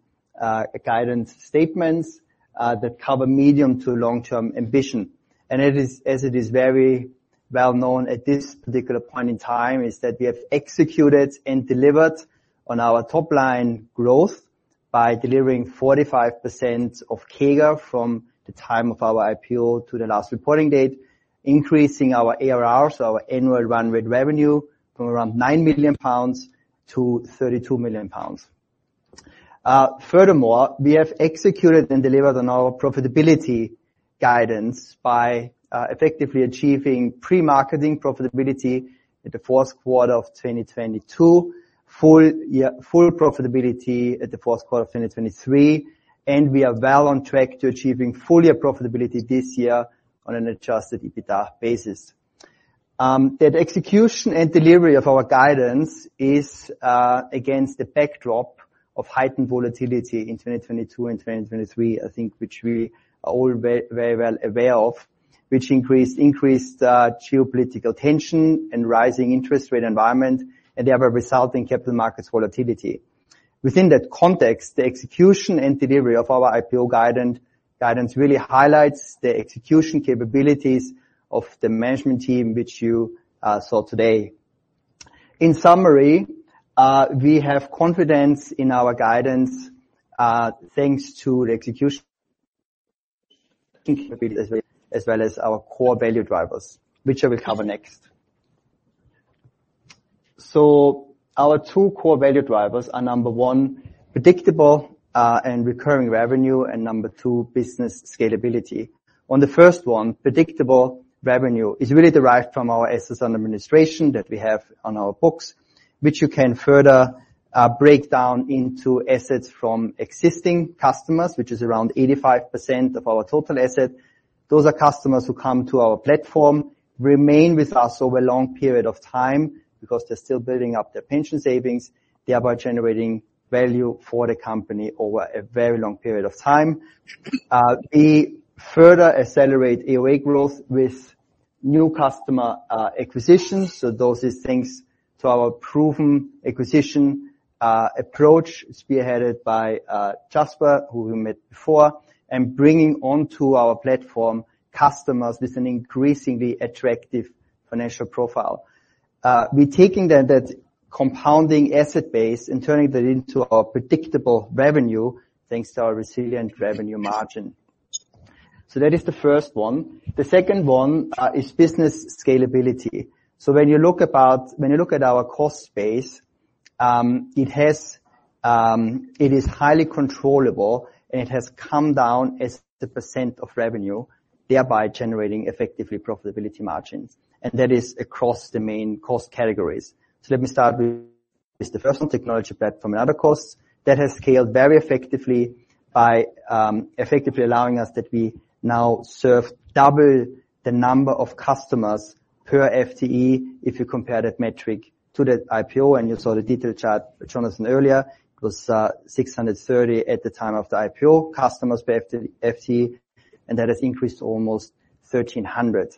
guidance statements that cover medium to long-term ambition. As it is very well known at this particular point in time, is that we have executed and delivered on our top line growth by delivering 45% CAGR from the time of our IPO to the last reporting date, increasing our ARR, so our annual run rate revenue, from around 9 million-32 million pounds. Furthermore, we have executed and delivered on our profitability guidance by effectively achieving pre-marketing profitability in the fourth quarter of 2022, full year profitability in the fourth quarter of 2023, and we are well on track to achieving full year profitability this year on an adjusted EBITDA basis. That execution and delivery of our guidance is against the backdrop of heightened volatility in 2022 and 2023, I think, which we are all very, very well aware of, which increased geopolitical tension and rising interest rate environment, and they have a resulting capital markets volatility. Within that context, the execution and delivery of our IPO guidance really highlights the execution capabilities of the management team, which you saw today. In summary, we have confidence in our guidance, thanks to the execution as well as our core value drivers, which I will cover next. Our two core value drivers are, number one, predictable and recurring revenue, and number two, business scalability. On the first one, predictable revenue is really derived from our assets under administration that we have on our books, which you can further break down into assets from existing customers, which is around 85% of our total assets. Those are customers who come to our platform, remain with us over a long period of time because they're still building up their pension savings, thereby generating value for the company over a very long period of time. We further accelerate AUA growth with new customer acquisitions. So those are thanks to our proven acquisition approach, spearheaded by Jasper, who we met before, and bringing onto our platform customers with an increasingly attractive financial profile. We're taking then that compounding asset base and turning that into our predictable revenue, thanks to our resilient revenue margin. So that is the first one. The second one is business scalability. When you look at our cost base, it has, it is highly controllable, and it has come down as the percent of revenue, thereby generating effectively profitability margins, and that is across the main cost categories. Let me start with the first one, technology platform and other costs. That has scaled very effectively by, effectively allowing us that we now serve double the number of customers per FTE. If you compare that metric to the IPO, and you saw the detailed chart with Jonathan earlier, it was 630 at the time of the IPO, customers per FTE, and that has increased to almost 1,300.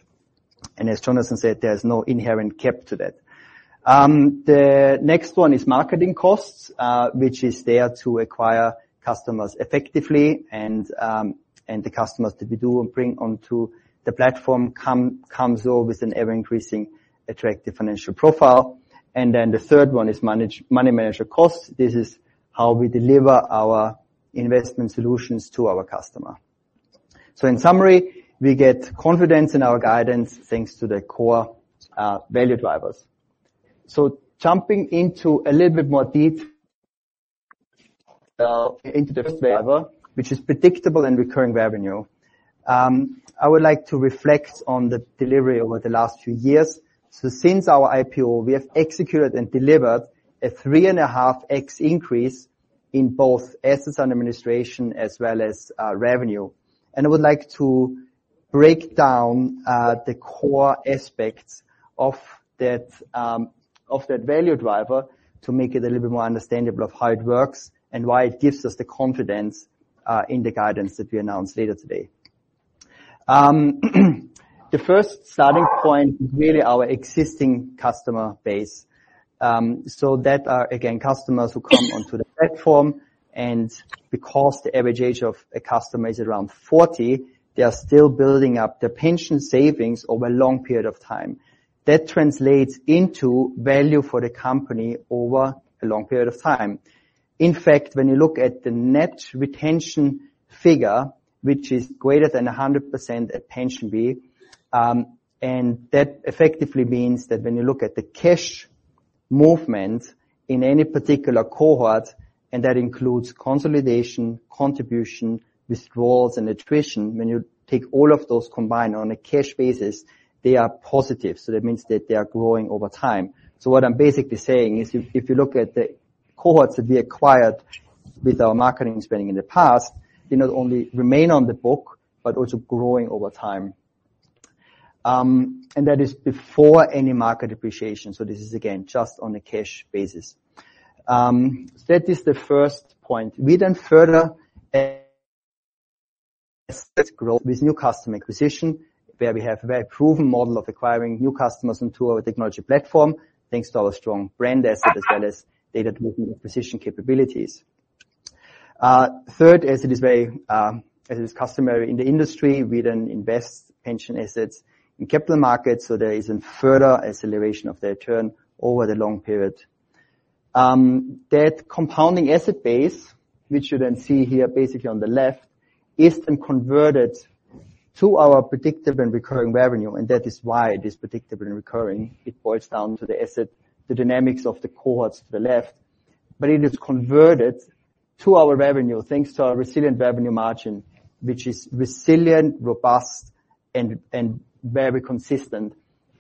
As Jonathan said, there's no inherent cap to that. The next one is marketing costs, which is there to acquire customers effectively, and the customers that we do bring onto the platform comes over with an ever-increasing, attractive financial profile, and then the third one is money manager costs. This is how we deliver our investment solutions to our customer. So in summary, we get confidence in our guidance, thanks to the core value drivers. So jumping into a little bit more deep into this driver, which is predictable and recurring revenue. I would like to reflect on the delivery over the last few years, so since our IPO, we have executed and delivered 3.5× increase in both assets under administration as well as revenue. I would like to break down the core aspects of that value driver to make it a little bit more understandable of how it works and why it gives us the confidence in the guidance that we announced later today. The first starting point, really our existing customer base. So those are, again, customers who come onto the platform, and because the average age of a customer is around 40, they are still building up their pension savings over a long period of time. That translates into value for the company over a long period of time. In fact, when you look at the net retention figure, which is greater than 100% at PensionBee, and that effectively means that when you look at the cash movement in any particular cohort, and that includes consolidation, contribution, withdrawals, and attrition, when you take all of those combined on a cash basis, they are positive. So that means that they are growing over time. So what I'm basically saying is, if you look at the cohorts that we acquired with our marketing spending in the past, they not only remain on the book, but also growing over time, and that is before any market depreciation. So this is, again, just on a cash basis. That is the first point. We then further... growth with new customer acquisition, where we have a very proven model of acquiring new customers into our technology platform, thanks to our strong brand asset, as well as data-driven acquisition capabilities. Third, as it is very, as is customary in the industry, we then invest pension assets in capital markets, so there is a further acceleration of their return over the long period. That compounding asset base, which you then see here, basically on the left, is then converted to our predictive and recurring revenue, and that is why it is predictable and recurring. It boils down to the asset, the dynamics of the cohorts to the left. But it is converted to our revenue, thanks to our resilient revenue margin, which is resilient, robust, and very consistent.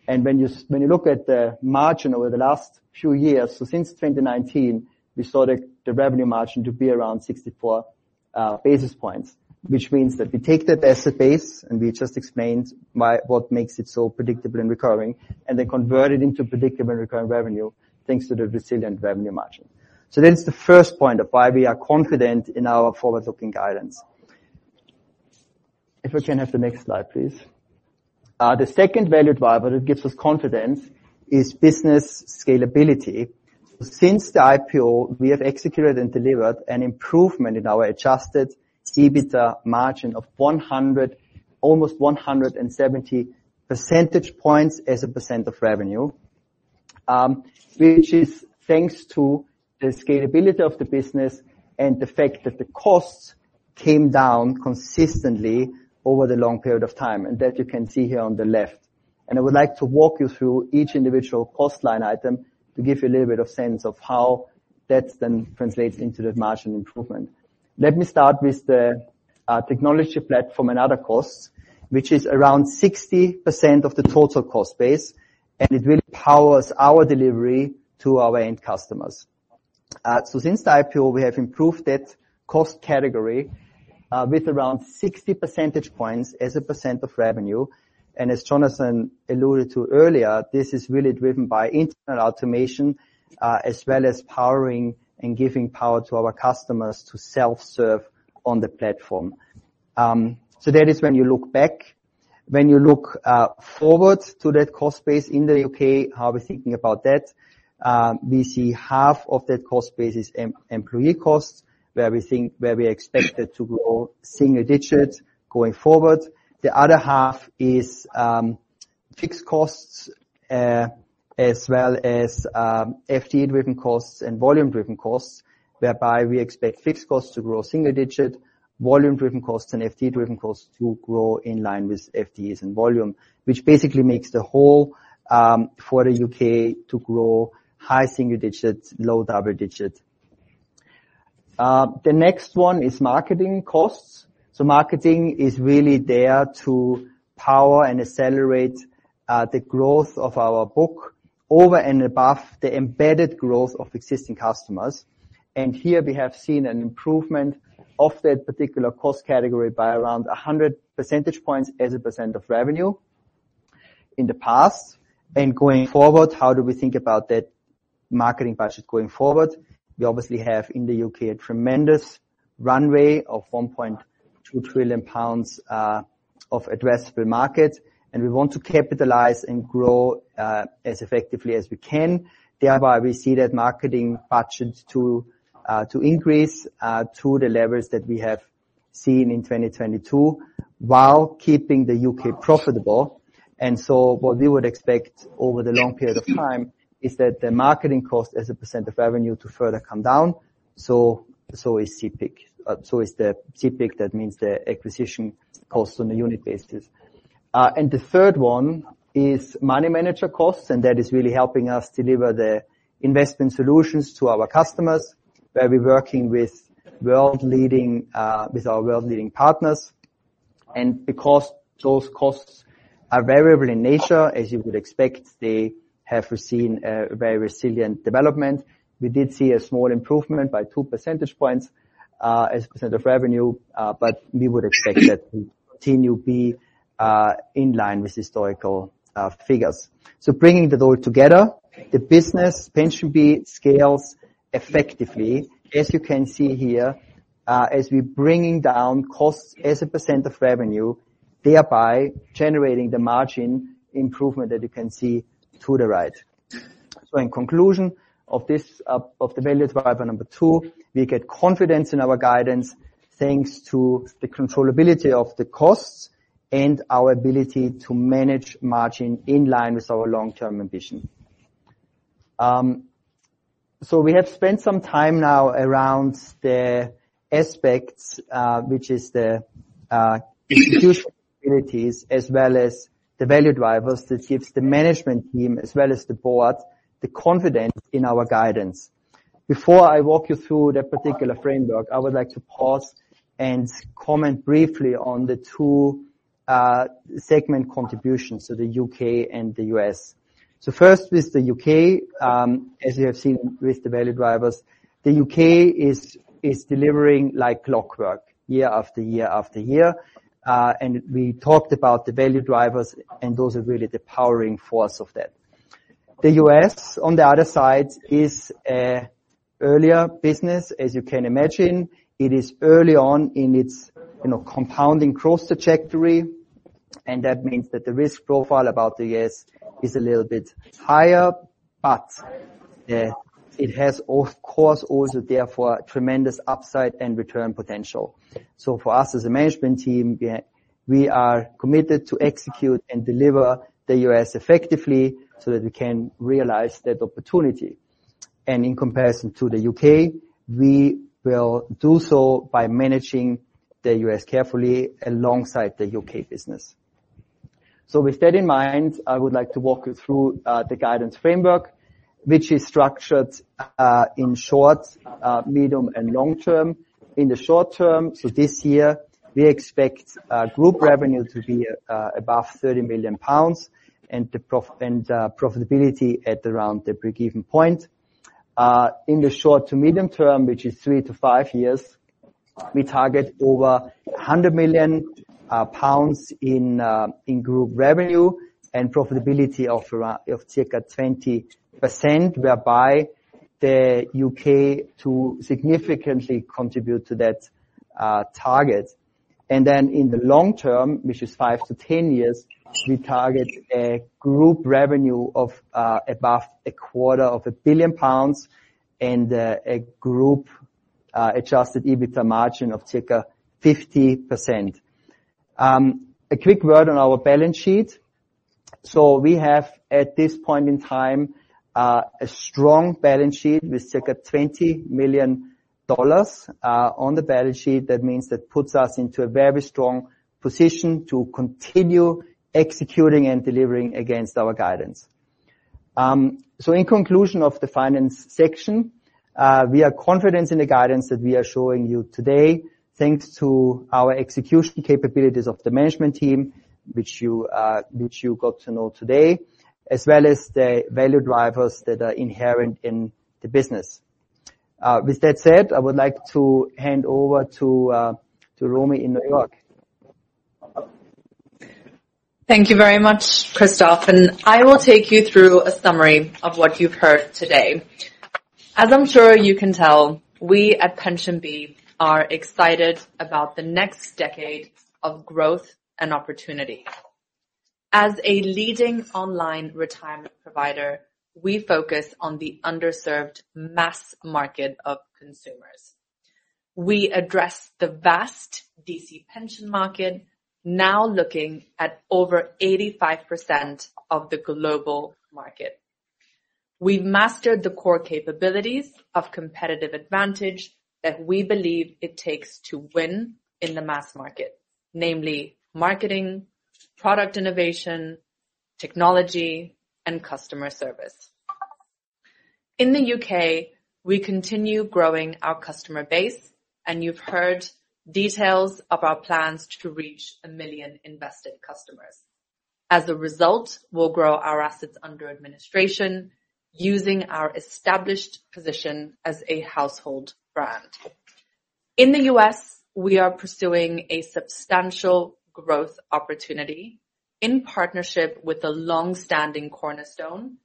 When you look at the margin over the last few years, so since 2019, we saw the revenue margin to be around 64 basis points, which means that we take that asset base, and we just explained why what makes it so predictable and recurring, and then convert it into predictable and recurring revenue, thanks to the resilient revenue margin. That is the first point of why we are confident in our forward-looking guidance. If we can have the next slide, please. The second value driver that gives us confidence is business scalability. Since the IPO, we have executed and delivered an improvement in our adjusted EBITDA margin of 100 almost 170 percentage points as a percent of revenue. Which is thanks to the scalability of the business and the fact that the costs came down consistently over the long period of time, and that you can see here on the left. I would like to walk you through each individual cost line item to give you a little bit of sense of how that then translates into the margin improvement. Let me start with the technology platform and other costs, which is around 60% of the total cost base, and it really powers our delivery to our end customers. So since the IPO, we have improved that cost category with around 60 percentage points as a percent of revenue. As Jonathan alluded to earlier, this is really driven by internal automation as well as powering and giving power to our customers to self-serve on the platform. So that is when you look back. When you look forward to that cost base in the U.K., how we're thinking about that, we see half of that cost base is employee costs, where we expect it to grow single digit going forward. The other half is fixed costs, as well as FTE-driven costs and volume-driven costs, whereby we expect fixed costs to grow single digit, volume-driven costs and FTE-driven costs to grow in line with FTEs and volume. Which basically makes the whole for the U.K. to grow high single digits, low double digit. The next one is marketing costs. So marketing is really there to power and accelerate the growth of our book over and above the embedded growth of existing customers. Here we have seen an improvement of that particular cost category by around 100 percentage points as a percent of revenue in the past. Going forward, how do we think about that marketing budget going forward? We obviously have, in the U.K., a tremendous runway of 1.2 trillion pounds of addressable market, and we want to capitalize and grow as effectively as we can. Therefore, we see that marketing budget to increase to the levels that we have seen in 2022, while keeping the U.K. profitable. So what we would expect over the long period of time is that the marketing cost as a percent of revenue to further come down, so is CAC. So is the CAC, that means the acquisition costs on a unit basis. The third one is money manager costs, and that is really helping us deliver the investment solutions to our customers, where we're working with our world-leading partners, and because those costs are variable in nature, as you would expect, they have received very resilient development. We did see a small improvement by two percentage points as a percent of revenue, but we would expect that to continue to be in line with historical figures. So bringing it all together, the business PensionBee scales effectively, as you can see here, as we're bringing down costs as a percent of revenue, thereby generating the margin improvement that you can see to the right. So in conclusion of this, of the value driver number two, we get confidence in our guidance, thanks to the controllability of the costs and our ability to manage margin in line with our long-term ambition. So we have spent some time now around the aspects, which is the, opportunities, as well as the value drivers, that gives the management team, as well as the board, the confidence in our guidance. Before I walk you through that particular framework, I would like to pause and comment briefly on the two, segment contributions to the U.K. and the U.S. So first with the U.K., as you have seen with the value drivers, the U.K. is delivering like clockwork year after year after year. And we talked about the value drivers, and those are really the powering force of that. The U.S., on the other side, is an earlier business, as you can imagine. It is early on in its, you know, compounding cross trajectory, and that means that the risk profile about the U.S. is a little bit higher, but, it has, of course, also, therefore, tremendous upside and return potential. So for us as a management team, we are committed to execute and deliver the U.S. effectively so that we can realize that opportunity. In comparison to the U.K., we will do so by managing the U.S. carefully alongside the U.K. business. So with that in mind, I would like to walk you through, the guidance framework, which is structured, in short, medium, and long term. In the short term, so this year, we expect group revenue to be above 30 million pounds and the profitability at around the break-even point. In the short to medium term, which is 3-5 years, we target over 100 million pounds in group revenue and profitability of around circa 20%, whereby the U.K. to significantly contribute to that target. Then in the long term, which is 5-10 years, we target a group revenue of above 250 million pounds and a group adjusted EBITDA margin of circa 50%. A quick word on our balance sheet. So we have, at this point in time, a strong balance sheet with circa $20 million on the balance sheet. That means that puts us into a very strong position to continue executing and delivering against our guidance. So in conclusion of the finance section, we are confident in the guidance that we are showing you today, thanks to our execution capabilities of the management team, which you got to know today, as well as the value drivers that are inherent in the business. With that said, I would like to hand over to Romy in New York. Thank you very much, Christoph, and I will take you through a summary of what you've heard today. As I'm sure you can tell, we at PensionBee are excited about the next decade of growth and opportunity. As a leading online retirement provider, we focus on the underserved mass market of consumers. We address the vast DC pension market, now looking at over 85% of the global market. We've mastered the core capabilities of competitive advantage that we believe it takes to win in the mass market, namely marketing, product innovation, technology, and customer service. In the U.K., we continue growing our customer base, and you've heard details of our plans to reach a million invested customers. As a result, we'll grow our assets under administration, using our established position as a household brand. In the U.S., we are pursuing a substantial growth opportunity in partnership with the long-standing cornerstone,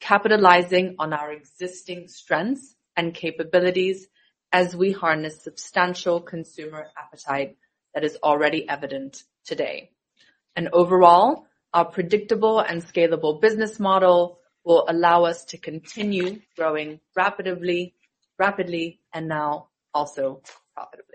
capitalizing on our existing strengths and capabilities as we harness substantial consumer appetite that is already evident today, and overall, our predictable and scalable business model will allow us to continue growing rapidly, rapidly, and now also profitably.